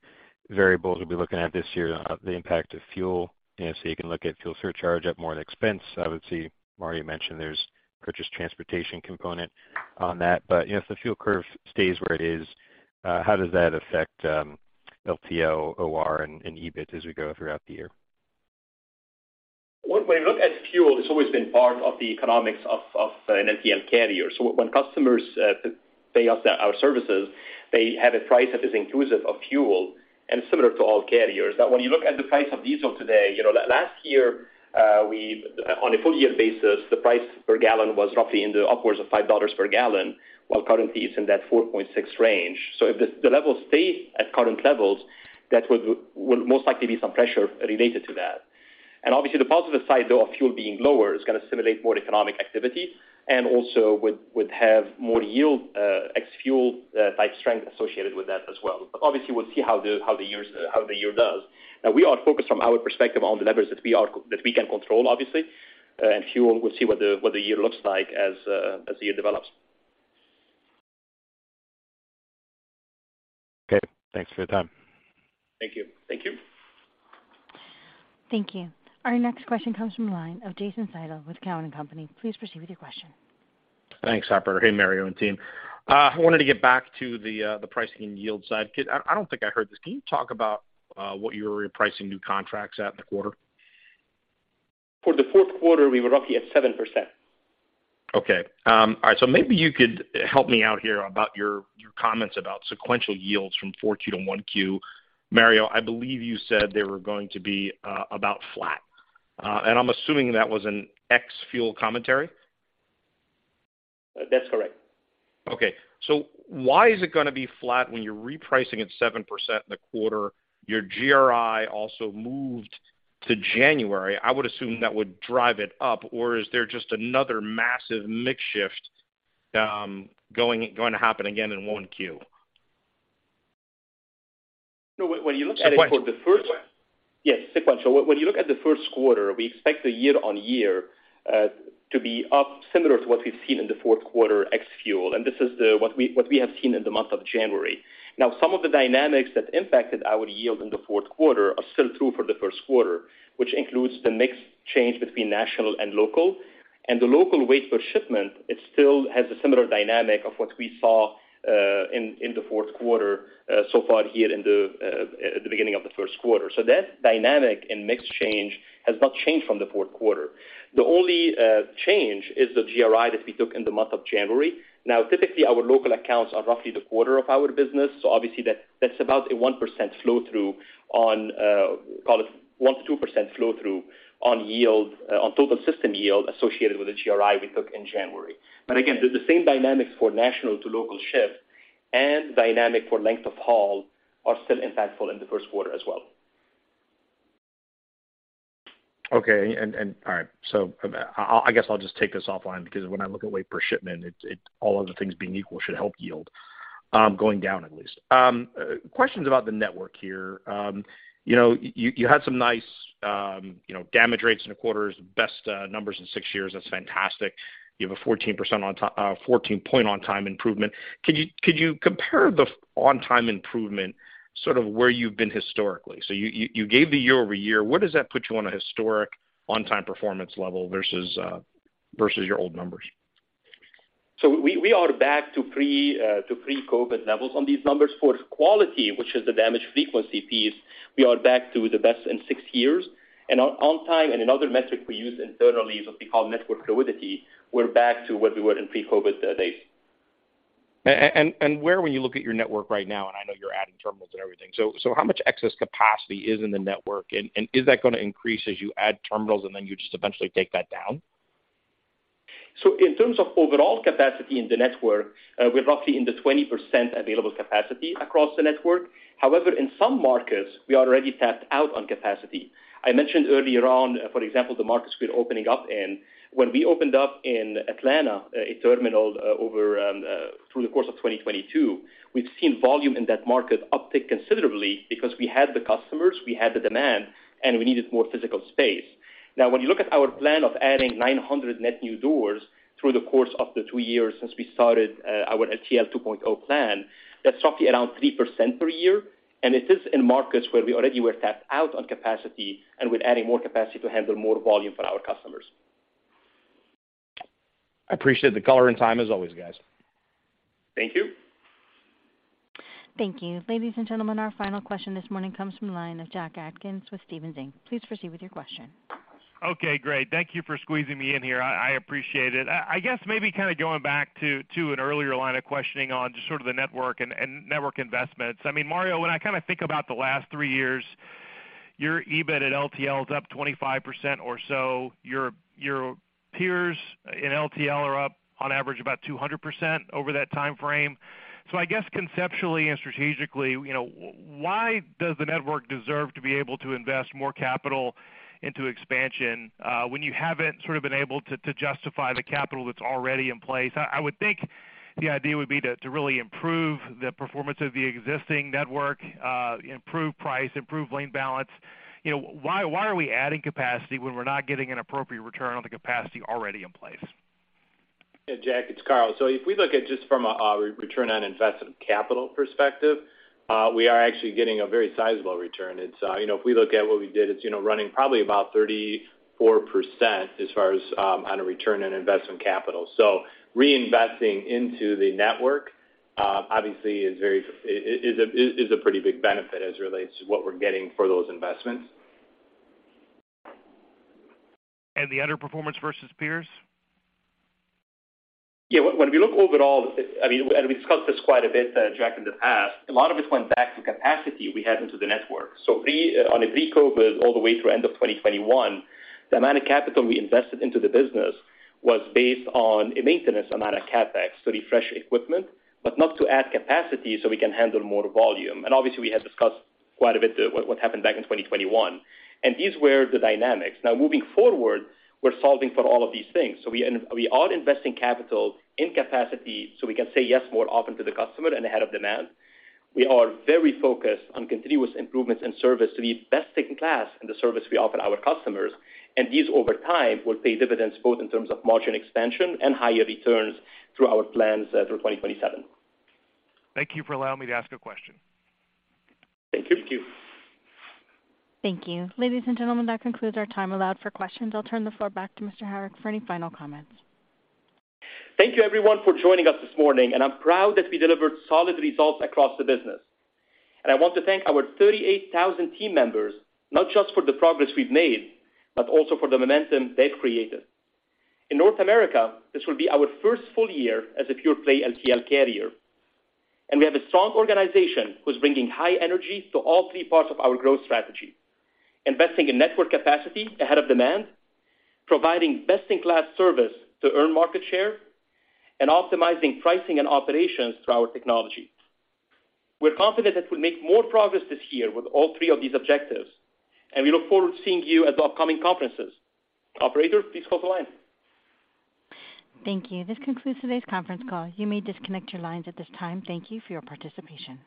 variables we'll be looking at this year, the impact of fuel. You know, you can look at fuel surcharge at more of an expense. Obviously, Mario mentioned there's purchase transportation component on that. You know, if the fuel curve stays where it is, how does that affect LTL, OR, and EBIT as we go throughout the year? When we look at fuel, it's always been part of the economics of an LTL carrier. When customers pay us our services, they have a price that is inclusive of fuel and similar to all carriers. Now when you look at the price of diesel today, you know, last year, on a full year basis, the price per gallon was roughly in the upwards of $5 per gallon, while currently it's in that $4.6 range. If the level stays at current levels, that would most likely be some pressure related to that. Obviously, the positive side, though, of fuel being lower is gonna simulate more economic activity and also would have more yield ex-fuel type strength associated with that as well. Obviously, we'll see how the year does. Now we are focused from our perspective on the levers that we can control, obviously. Fuel, we'll see what the year looks like as the year develops. Okay. Thanks for your time. Thank you. Thank you. Thank you. Our next question comes from the line of Jason Seidl with Cowen and Company. Please proceed with your question. Thanks, operator. Hey, Mario and team. I wanted to get back to the pricing and yield side. I don't think I heard this. Can you talk about what you're repricing new contracts at in the quarter? For the fourth quarter, we were roughly at 7%. Maybe you could help me out here about your comments about sequential yields from 4Q to 1Q? Mario, I believe you said they were going to be about flat. I'm assuming that was an ex-fuel commentary. That's correct. Why is it gonna be flat when you're repricing at 7% in the quarter? Your GRI also moved to January. I would assume that would drive it up, or is there just another massive mix shift, going to happen again in 1Q? When you look at it for the... Sequential? Yes, sequential. When you look at the first quarter, we expect the year-over-year to be up similar to what we've seen in the fourth quarter ex-fuel, and this is what we have seen in the month of January. Some of the dynamics that impacted our yield in the fourth quarter are still true for the first quarter, which includes the mix change between national and local. The local weight per shipment, it still has a similar dynamic of what we saw in the fourth quarter so far here in the beginning of the first quarter. That dynamic and mix change has not changed from the fourth quarter. The only change is the GRI that we took in the month of January. Typically, our local accounts are roughly the quarter of our business, obviously that's about a 1% flow through on, call it 1%-2% flow through on yield, on total system yield associated with the GRI we took in January. Again, the same dynamics for national to local shift and dynamic for length of haul are still impactful in the first quarter as well. Okay. All right. I guess I'll just take this offline because when I look at weight per shipment, it, all other things being equal, should help yield, going down at least. Questions about the network here. you know, you had some nice, you know, damage rates in the quarters. Best numbers in six years. That's fantastic. You have a 14% 14-point on-time improvement. Could you compare the on-time improvement sort of where you've been historically? You gave the year-over-year. Where does that put you on a historic on-time performance level versus versus your old numbers? We are back to pre-COVID levels on these numbers. For quality, which is the damage frequency piece, we are back to the best in six years. On time and another metric we use internally is what we call network fluidity. We're back to where we were in pre-COVID days. Where when you look at your network right now, and I know you're adding terminals and everything, how much excess capacity is in the network? Is that gonna increase as you add terminals, and then you just eventually take that down? In terms of overall capacity in the network, we're roughly in the 20% available capacity across the network. However, in some markets, we are already tapped out on capacity. I mentioned earlier on, for example, the markets we're opening up in. When we opened up in Atlanta, a terminal, through the course of 2022, we've seen volume in that market uptick considerably because we had the customers, we had the demand, and we needed more physical space. When you look at our plan of adding 900 net new doors through the course of the two years since we started, our LTL 2.0 plan, that's roughly around 3% per year. It is in markets where we already were tapped out on capacity and with adding more capacity to handle more volume for our customers. I appreciate the color and time as always, guys. Thank you. Thank you. Ladies and gentlemen, our final question this morning comes from the line of Jack Atkins with Stephens Inc. Please proceed with your question. Okay. Great. Thank you for squeezing me in here. I appreciate it. I guess maybe kind of going back to an earlier line of questioning on just sort of the network and network investments. I mean, Mario, when I kind of think about the last three years, your EBIT at LTL is up 25% or so. Your peers in LTL are up on average about 200% over that timeframe. I guess conceptually and strategically, you know, why does the network deserve to be able to invest more capital into expansion when you haven't sort of been able to justify the capital that's already in place? I would think the idea would be to really improve the performance of the existing network, improve price, improve lane balance. You know, why are we adding capacity when we're not getting an appropriate return on the capacity already in place? Yeah, Jack, it's Carl. If we look at just from a return on investment capital perspective, we are actually getting a very sizable return. It's, you know, if we look at what we did, it's, you know, running probably about 34% as far as on a return on investment capital. Reinvesting into the network obviously is a pretty big benefit as it relates to what we're getting for those investments. The underperformance versus peers? Yeah. When we look overall, I mean, we discussed this quite a bit, Jack, in the past, a lot of it went back to capacity we had into the network. On a pre-COVID all the way through end of 2021, the amount of capital we invested into the business was based on a maintenance amount of CapEx to refresh equipment, not to add capacity so we can handle more volume. Obviously, we have discussed quite a bit what happened back in 2021. These were the dynamics. Now moving forward, we're solving for all of these things. We are investing capital in capacity, so we can say yes more often to the customer and ahead of demand. We are very focused on continuous improvements in service to be best in class in the service we offer our customers. These over time will pay dividends both in terms of margin expansion and higher returns through our plans, through 2027. Thank you for allowing me to ask a question. Thank you. Thank you. Ladies and gentlemen, that concludes our time allowed for questions. I'll turn the floor back to Mr. Harik for any final comments. Thank you everyone for joining us this morning. I'm proud that we delivered solid results across the business. I want to thank our 38,000 team members, not just for the progress we've made, but also for the momentum they've created. In North America, this will be our first full year as a pure play LTL carrier. We have a strong organization who's bringing high energy to all three parts of our growth strategy, investing in network capacity ahead of demand, providing best-in-class service to earn market share, and optimizing pricing and operations through our technology. We're confident that we'll make more progress this year with all three of these objectives. We look forward to seeing you at the upcoming conferences. Operator, please close the line. Thank you. This concludes today's conference call. You may disconnect your lines at this time. Thank you for your participation.